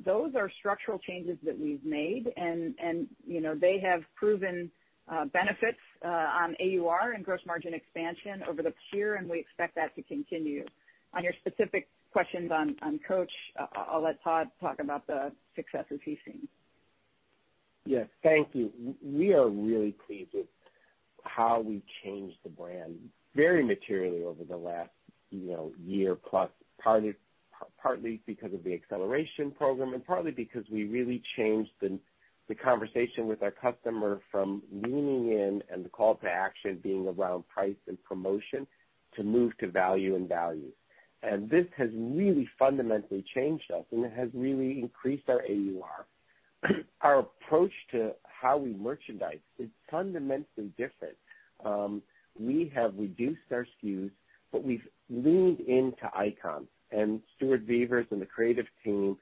Those are structural changes that we've made, and they have proven benefits on AUR and gross margin expansion over this year, and we expect that to continue. On your specific questions on Coach, I'll let Todd talk about the successes he's seen. Yes. Thank you. We are really pleased with how we changed the brand very materially over the last year plus, partly because of the acceleration program and partly because we really changed the conversation with our customer from leaning in and the call to action being around price and promotion, to move to value and value. This has really fundamentally changed us, and it has really increased our AUR. Our approach to how we merchandise is fundamentally different. We have reduced our SKUs, but we've leaned into icons. Stuart Vevers and the creative team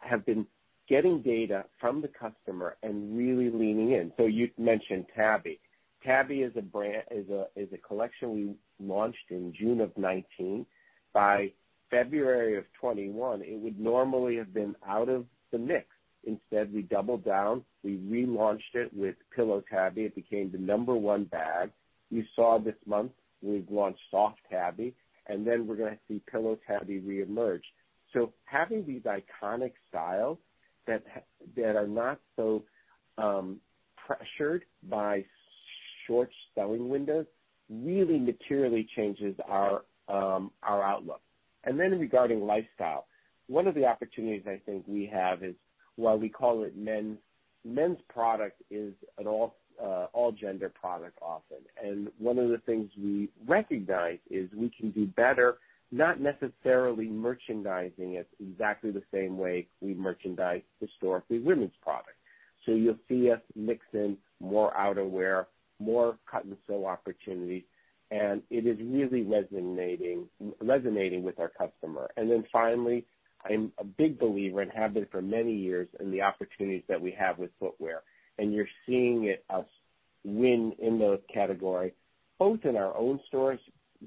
have been getting data from the customer and really leaning in. You mentioned Tabby. Tabby is a collection we launched in June of 2019. By February of 2021, it would normally have been out of the mix. Instead, we doubled down, we relaunched it with Pillow Tabby. It became the number one bag. You saw this month we've launched Soft Tabby, and then we're going to see Pillow Tabby reemerge. Having these iconic styles that are not so pressured by short selling windows really materially changes our outlook. Regarding lifestyle, one of the opportunities I think we have is, while we call it men's product is an all-gender product often. One of the things we recognize is we can do better, not necessarily merchandising it exactly the same way we merchandise historically women's product. You'll see us mix in more outerwear, more cut-and-sew opportunities, and it is really resonating with our customer. Finally, I'm a big believer, and have been for many years, in the opportunities that we have with footwear. You're seeing us win in those categories, both in our own stores,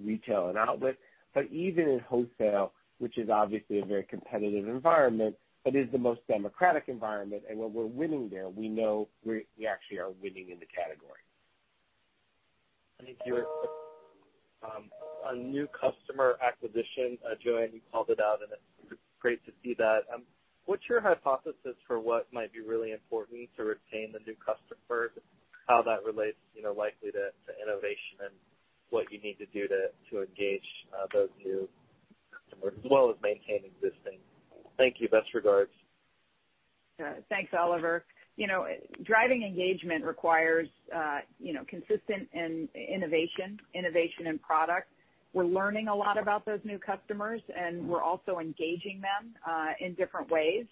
retail and outlet, but even in wholesale, which is obviously a very competitive environment, but is the most democratic environment. When we're winning there, we know we actually are winning in the category. Thank you. On new customer acquisition, Joanne, you called it out, and it's great to see that. What's your hypothesis for what might be really important to retain the new customers, how that relates likely to innovation and what you need to do to engage those new customers as well as maintain existing? Thank you. Best regards. Thanks, Oliver. Driving engagement requires consistent innovation in product. We're learning a lot about those new customers. We're also engaging them in different ways.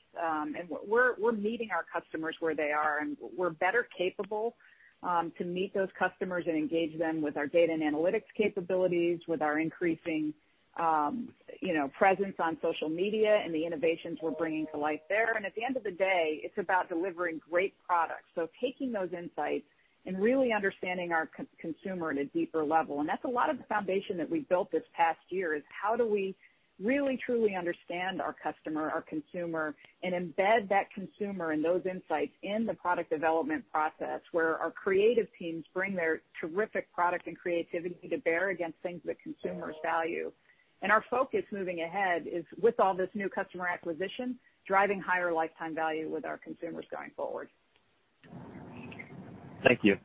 We're meeting our customers where they are, and we're better capable to meet those customers and engage them with our data and analytics capabilities, with our increasing presence on social media and the innovations we're bringing to life there. At the end of the day, it's about delivering great products, taking those insights and really understanding our consumer at a deeper level. That's a lot of the foundation that we've built this past year, is how do we really, truly understand our customer, our consumer, and embed that consumer and those insights in the product development process, where our creative teams bring their terrific product and creativity to bear against things that consumers value. Our focus moving ahead is with all this new customer acquisition, driving higher lifetime value with our consumers going forward. Thank you.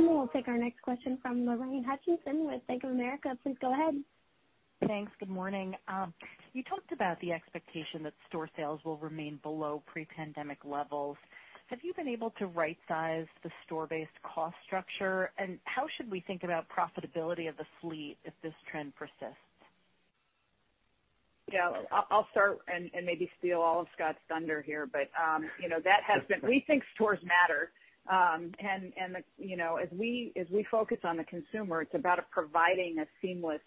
We'll take our next question from Lorraine Hutchinson with Bank of America. Please go ahead. Thanks. Good morning. You talked about the expectation that store sales will remain below pre-pandemic levels. Have you been able to right-size the store-based cost structure? How should we think about profitability of the fleet if this trend persists? Yeah. I'll start and maybe steal all of Scott Roe's thunder here, but we think stores matter. As we focus on the consumer, it's about providing a seamless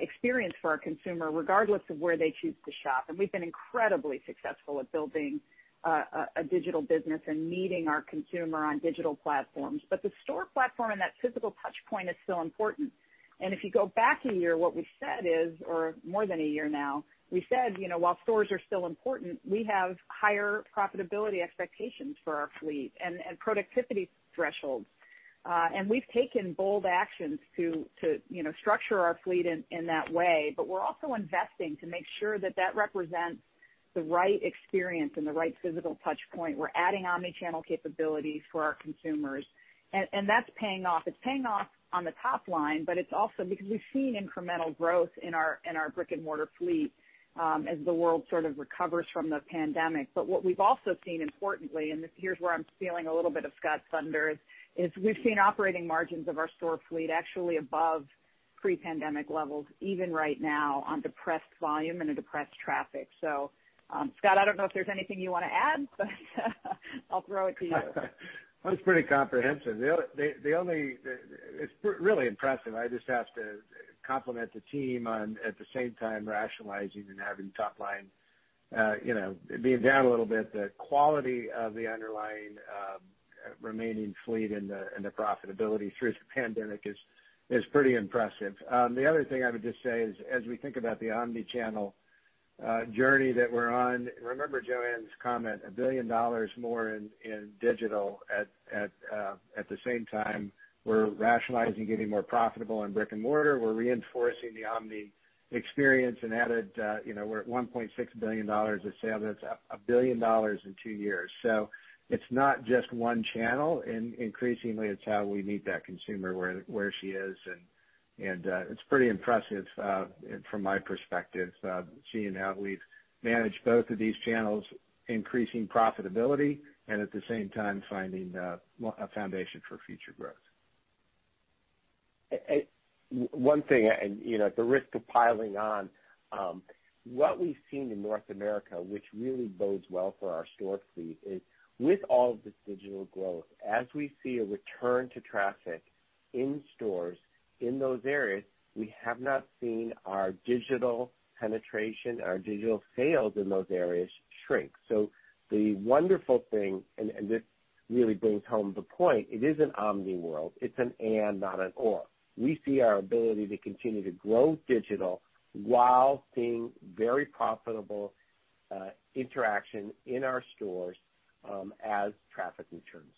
experience for our consumer, regardless of where they choose to shop. We've been incredibly successful at building a digital business and meeting our consumer on digital platforms. The store platform and that physical touch point is still important. If you go back a year, what we said is, or more than a year now, we said, while stores are still important, we have higher profitability expectations for our fleet and productivity thresholds. We've taken bold actions to structure our fleet in that way. We're also investing to make sure that represents the right experience and the right physical touch point. We're adding omni-channel capabilities for our consumers, and that's paying off. It's paying off on the top line, but it's also because we've seen incremental growth in our brick-and-mortar fleet as the world sort of recovers from the pandemic. What we've also seen, importantly, and here's where I'm feeling a little bit of Scott Roe, is we've seen operating margins of our store fleet actually above pre-pandemic levels, even right now on depressed volume and a depressed traffic. Scott, I don't know if there's anything you want to add, but I'll throw it to you. That was pretty comprehensive. It's really impressive. I just have to compliment the team on, at the same time, rationalizing and having top line being down a little bit. The quality of the underlying remaining fleet and the profitability through the pandemic is pretty impressive. The other thing I would just say is as we think about the omni-channel journey that we're on, remember Joanne's comment, $1 billion more in digital at the same time we're rationalizing getting more profitable in brick-and-mortar. We're reinforcing the omni experience and we're at $1.6 billion of sale. That's $1 billion in two years. It's not just one channel, increasingly it's how we meet that consumer where she is. It's pretty impressive, from my perspective, seeing how we've managed both of these channels, increasing profitability and at the same time finding a foundation for future growth. One thing, at the risk of piling on, what we've seen in North America, which really bodes well for our store fleet, is with all of this digital growth, as we see a return to traffic in stores in those areas, we have not seen our digital penetration, our digital sales in those areas shrink. The wonderful thing, and this really brings home the point, it is an omni world. It's an and not an or. We see our ability to continue to grow digital while seeing very profitable interaction in our stores as traffic returns.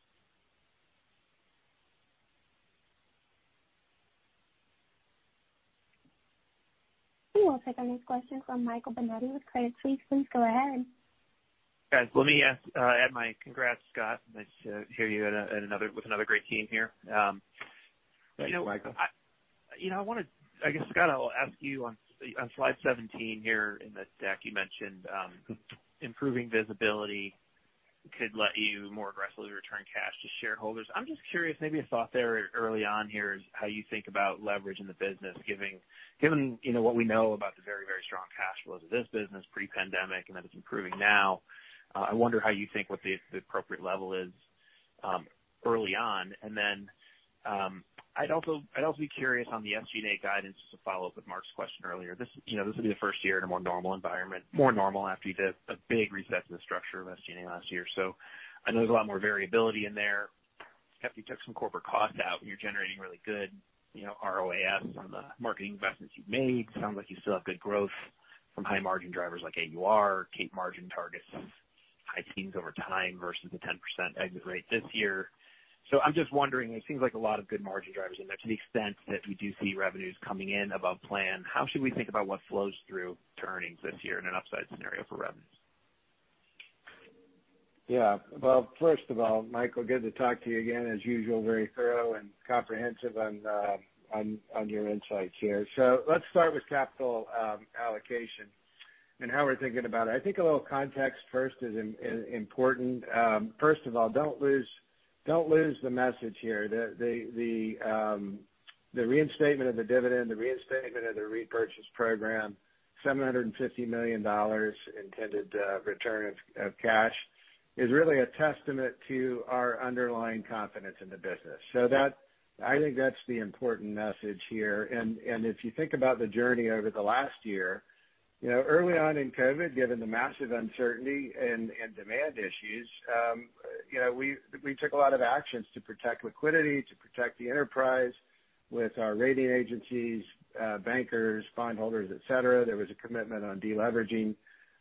We will take our next question from Michael Binetti with Credit Suisse. Please go ahead. Guys, let me add my congrats, Scott. Nice to hear you with another great team here. Thanks, Michael. I guess, Scott, I will ask you on slide 17 here in the deck, you mentioned improving visibility could let you more aggressively return cash to shareholders. I am just curious, maybe a thought there early on here is how you think about leverage in the business given what we know about the very, very strong cash flows of this business pre-pandemic, and that it is improving now. I wonder how you think what the appropriate level is early on. I would also be curious on the SG&A guidance, just to follow up with Mark's question earlier. This will be the first year in a more normal environment, more normal after you did a big reset to the structure of SG&A last year. I know there is a lot more variability in there after you took some corporate costs out and you are generating really good ROAS on the marketing investments you have made. Sounds like you still have good growth from high margin drivers like AUR, Tapestry margin targets, high teens over time versus a 10% exit rate this year. I'm just wondering, it seems like a lot of good margin drivers in there to the extent that we do see revenues coming in above plan. How should we think about what flows through to earnings this year in an upside scenario for revenues? Yeah. Well, first of all, Michael, good to talk to you again. As usual, very thorough and comprehensive on your insights here. Let's start with capital allocation and how we're thinking about it. I think a little context first is important. First of all, don't lose the message here. The reinstatement of the dividend, the reinstatement of the repurchase program, $750 million intended return of cash is really a testament to our underlying confidence in the business. I think that's the important message here. If you think about the journey over the last year, early on in COVID, given the massive uncertainty and demand issues, we took a lot of actions to protect liquidity, to protect the enterprise with our rating agencies, bankers, bondholders, et cetera. There was a commitment on deleveraging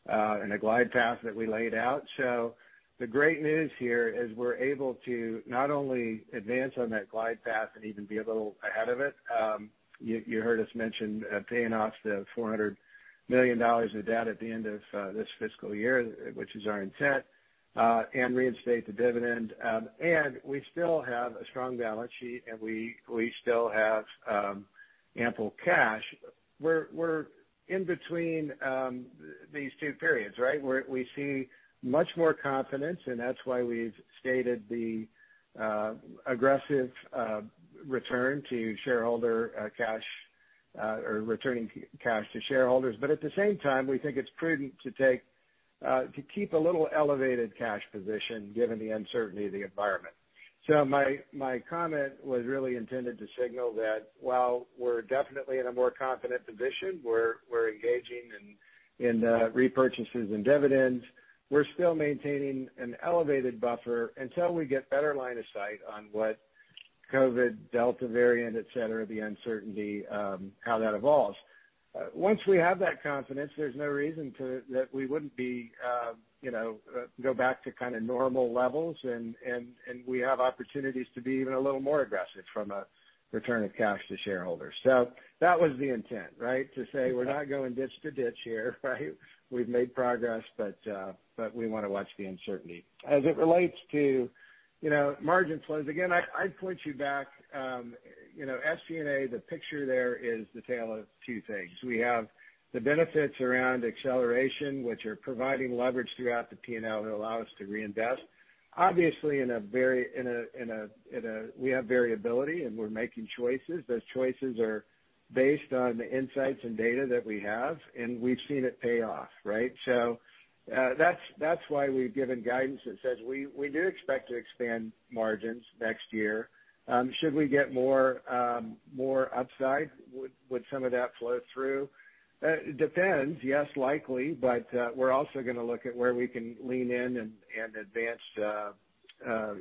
and a glide path that we laid out. The great news here is we're able to not only advance on that glide path and even be a little ahead of it. You heard us mention paying off the $400 million of debt at the end of this fiscal year, which is our intent, and reinstate the dividend. We still have a strong balance sheet, and we still have ample cash. We're in between these two periods, right? We see much more confidence, and that's why we've stated the aggressive return to shareholder cash or returning cash to shareholders. At the same time, we think it's prudent to keep a little elevated cash position given the uncertainty of the environment. My comment was really intended to signal that while we're definitely in a more confident position, we're engaging in repurchases and dividends. We're still maintaining an elevated buffer until we get better line of sight on what COVID Delta variant, et cetera, the uncertainty, how that evolves. Once we have that confidence, there's no reason that we wouldn't go back to normal levels and we have opportunities to be even a little more aggressive from a return of cash to shareholders. That was the intent, right? To say we're not going ditch to ditch here, right? We've made progress, but we want to watch the uncertainty. As it relates to margin flows, again, I'd point you back, SG&A, the picture there is the tale of two things. We have the benefits around acceleration which are providing leverage throughout the P&L that allow us to reinvest. Obviously, we have variability and we're making choices. Those choices are based on the insights and data that we have and we've seen it pay off, right? That's why we've given guidance that says we do expect to expand margins next year. Should we get more upside, would some of that flow through? Depends. Yes, likely, but we're also going to look at where we can lean in and advance our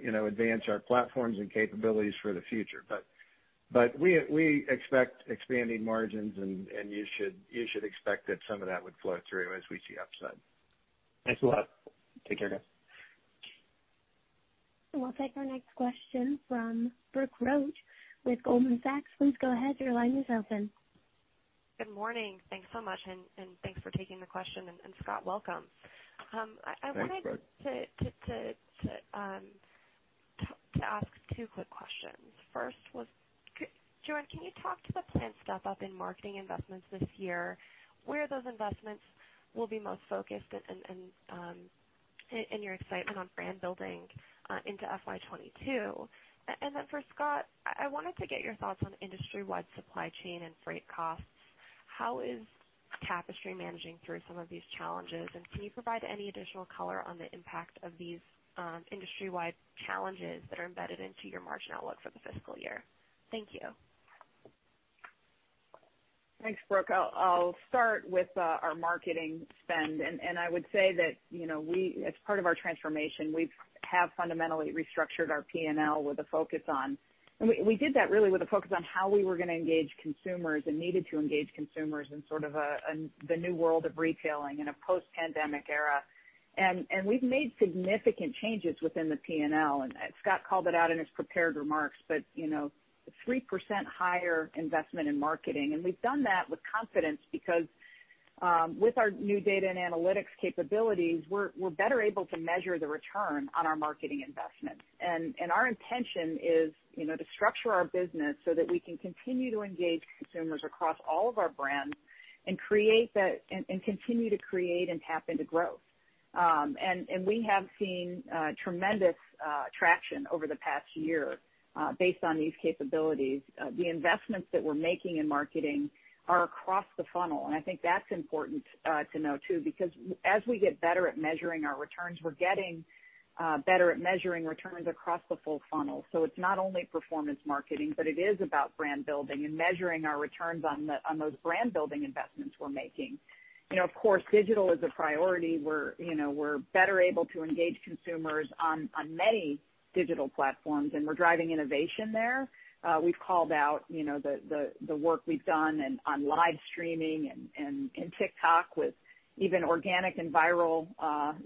platforms and capabilities for the future. We expect expanding margins and you should expect that some of that would flow through as we see upside. Thanks a lot. Take care, guys. We'll take our next question from Brooke Roach with Goldman Sachs. Please go ahead. Your line is open. Good morning. Thanks so much and thanks for taking the question, and Scott, welcome. Thanks, Brooke. I wanted to ask two quick questions. First was, Joanne, can you talk to the planned step up in marketing investments this year, where those investments will be most focused, and your excitement on brand building into FY 2022? Then for Scott, I wanted to get your thoughts on industry-wide supply chain and freight costs. How is Tapestry managing through some of these challenges, and can you provide any additional color on the impact of these industry-wide challenges that are embedded into your margin outlook for the fiscal year? Thank you. Thanks, Brooke. I'll start with our marketing spend. I would say that as part of our transformation, we have fundamentally restructured our P&L. We did that really with a focus on how we were going to engage consumers and needed to engage consumers in the new world of retailing in a post-pandemic era. We've made significant changes within the P&L, and Scott called it out in his prepared remarks, but 3% higher investment in marketing. We've done that with confidence because with our new data and analytics capabilities, we're better able to measure the return on our marketing investment. Our intention is to structure our business so that we can continue to engage consumers across all of our brands and continue to create and tap into growth. We have seen tremendous traction over the past year based on these capabilities. The investments that we're making in marketing are across the funnel, and I think that's important to know too, because as we get better at measuring our returns, we're getting better at measuring returns across the full funnel. It's not only performance marketing, but it is about brand building and measuring our returns on those brand building investments we're making. Of course, digital is a priority. We're better able to engage consumers on many digital platforms, and we're driving innovation there. We've called out the work we've done and on live streaming and TikTok with even organic and viral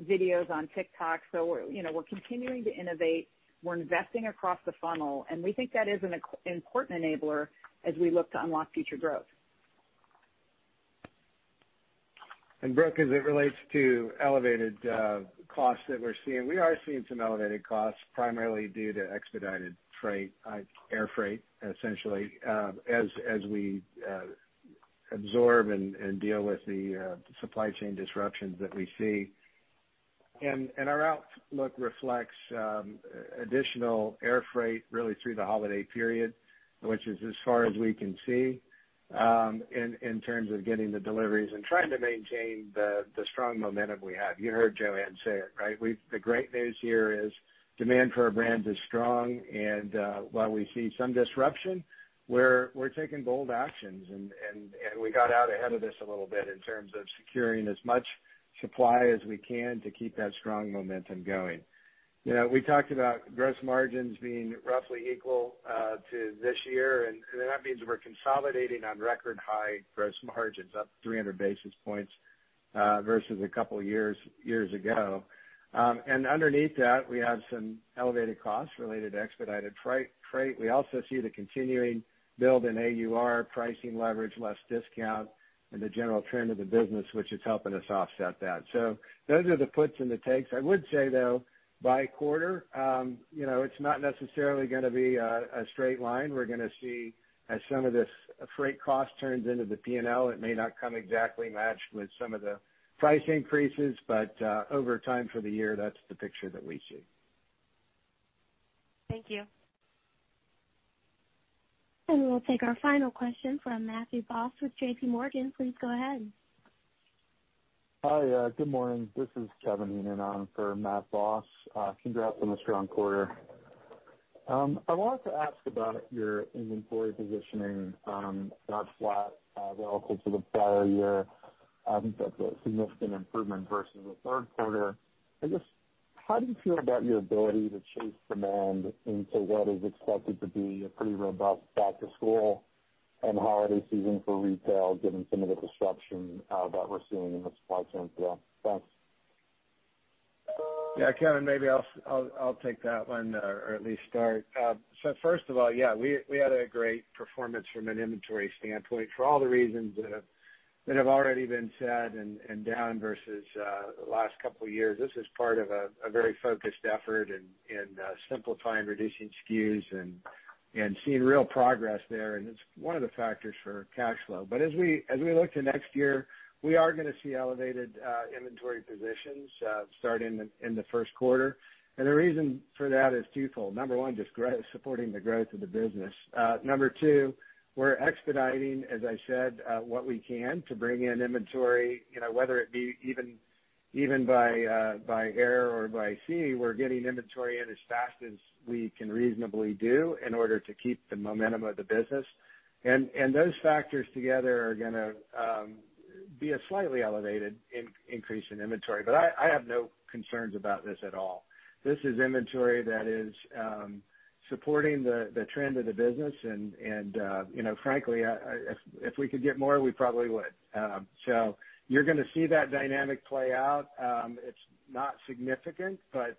videos on TikTok. We're continuing to innovate. We're investing across the funnel, and we think that is an important enabler as we look to unlock future growth. Brooke, as it relates to elevated costs that we're seeing, we are seeing some elevated costs primarily due to expedited freight, air freight, essentially, as we absorb and deal with the supply chain disruptions that we see. Our outlook reflects additional air freight really through the holiday period, which is as far as we can see in terms of getting the deliveries and trying to maintain the strong momentum we have. You heard Joanne say it, right? The great news here is demand for our brands is strong, and while we see some disruption, we're taking bold actions, and we got out ahead of this a little bit in terms of securing as much supply as we can to keep that strong momentum going. We talked about gross margins being roughly equal to this year. That means we're consolidating on record high gross margins, up 300 basis points versus a couple of years ago. Underneath that, we have some elevated costs related to expedited freight. We also see the continuing build in AUR pricing leverage, less discount, and the general trend of the business, which is helping us offset that. Those are the puts and the takes. I would say, though, by quarter, it's not necessarily going to be a straight line. We're going to see as some of this freight cost turns into the P&L, it may not come exactly matched with some of the price increases, but over time for the year, that's the picture that we see. Thank you. We'll take our final question from Matthew Boss with JPMorgan. Please go ahead. Hi, good morning. This is Kevin in on for Matthew Boss. Congrats on a strong quarter. I wanted to ask about your inventory positioning, about flat relative to the prior year. I think that's a significant improvement versus the third quarter. I guess, how do you feel about your ability to chase demand into what is expected to be a pretty robust back-to-school and holiday season for retail, given some of the disruption that we're seeing in the supply chain still? Thanks. Yeah. Kevin, maybe I'll take that 1 or at least start. First of all, we had a great performance from an inventory standpoint for all the reasons that have already been said and down versus the last two years. This is part of a very focused effort in simplifying, reducing SKUs, and seeing real progress there. It's one of the factors for cash flow. As we look to next year, we are going to see elevated inventory positions starting in the first quarter. The reason for that is twofold. Number one, just supporting the growth of the business. Number two, we're expediting, as I said, what we can to bring in inventory, whether it be even by air or by sea. We're getting inventory in as fast as we can reasonably do in order to keep the momentum of the business. Those factors together are going to be a slightly elevated increase in inventory. I have no concerns about this at all. This is inventory that is supporting the trend of the business. Frankly, if we could get more, we probably would. You're going to see that dynamic play out. It's not significant, but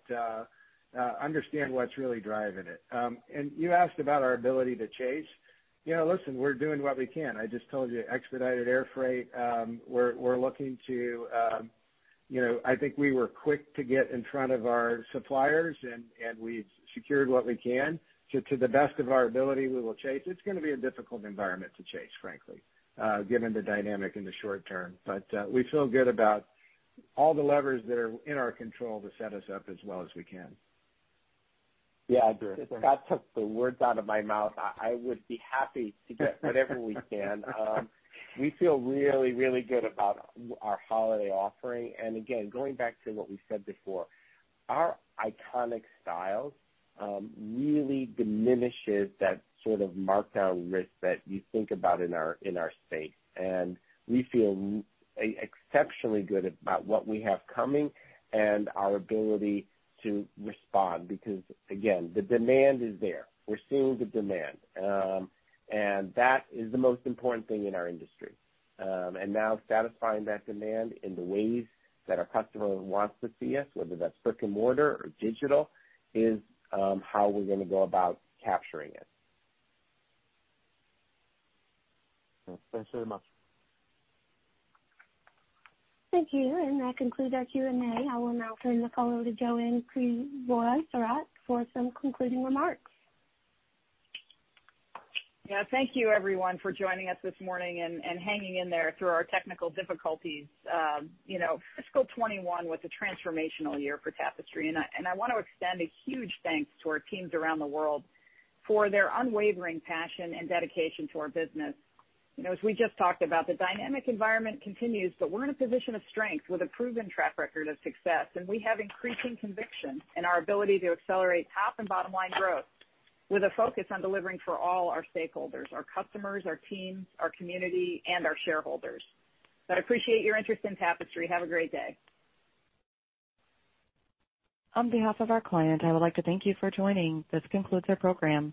understand what's really driving it. You asked about our ability to chase. Listen, we're doing what we can. I just told you, expedited air freight. I think we were quick to get in front of our suppliers, and we secured what we can. To the best of our ability, we will chase. It's going to be a difficult environment to chase, frankly, given the dynamic in the short term. We feel good about all the levers that are in our control to set us up as well as we can. Yeah. That took the words out of my mouth. I would be happy to get whatever we can. We feel really, really good about our holiday offering. Again, going back to what we said before, our iconic styles really diminishes that sort of markdown risk that you think about in our space. We feel exceptionally good about what we have coming and our ability to respond. Because, again, the demand is there. We're seeing the demand. That is the most important thing in our industry. Now satisfying that demand in the ways that our customer wants to see us, whether that's brick and mortar or digital, is how we're going to go about capturing it. Thanks very much. Thank you. That concludes our Q&A. I will now turn the call over to Joanne Crevoiserat for some concluding remarks. Thank you everyone for joining us this morning and hanging in there through our technical difficulties. Fiscal 2021 was a transformational year for Tapestry. I want to extend a huge thanks to our teams around the world for their unwavering passion and dedication to our business. As we just talked about, the dynamic environment continues. We're in a position of strength with a proven track record of success. We have increasing conviction in our ability to accelerate top and bottom line growth with a focus on delivering for all our stakeholders, our customers, our teams, our community, and our shareholders. I appreciate your interest in Tapestry. Have a great day. On behalf of our client, I would like to thank you for joining. This concludes our program.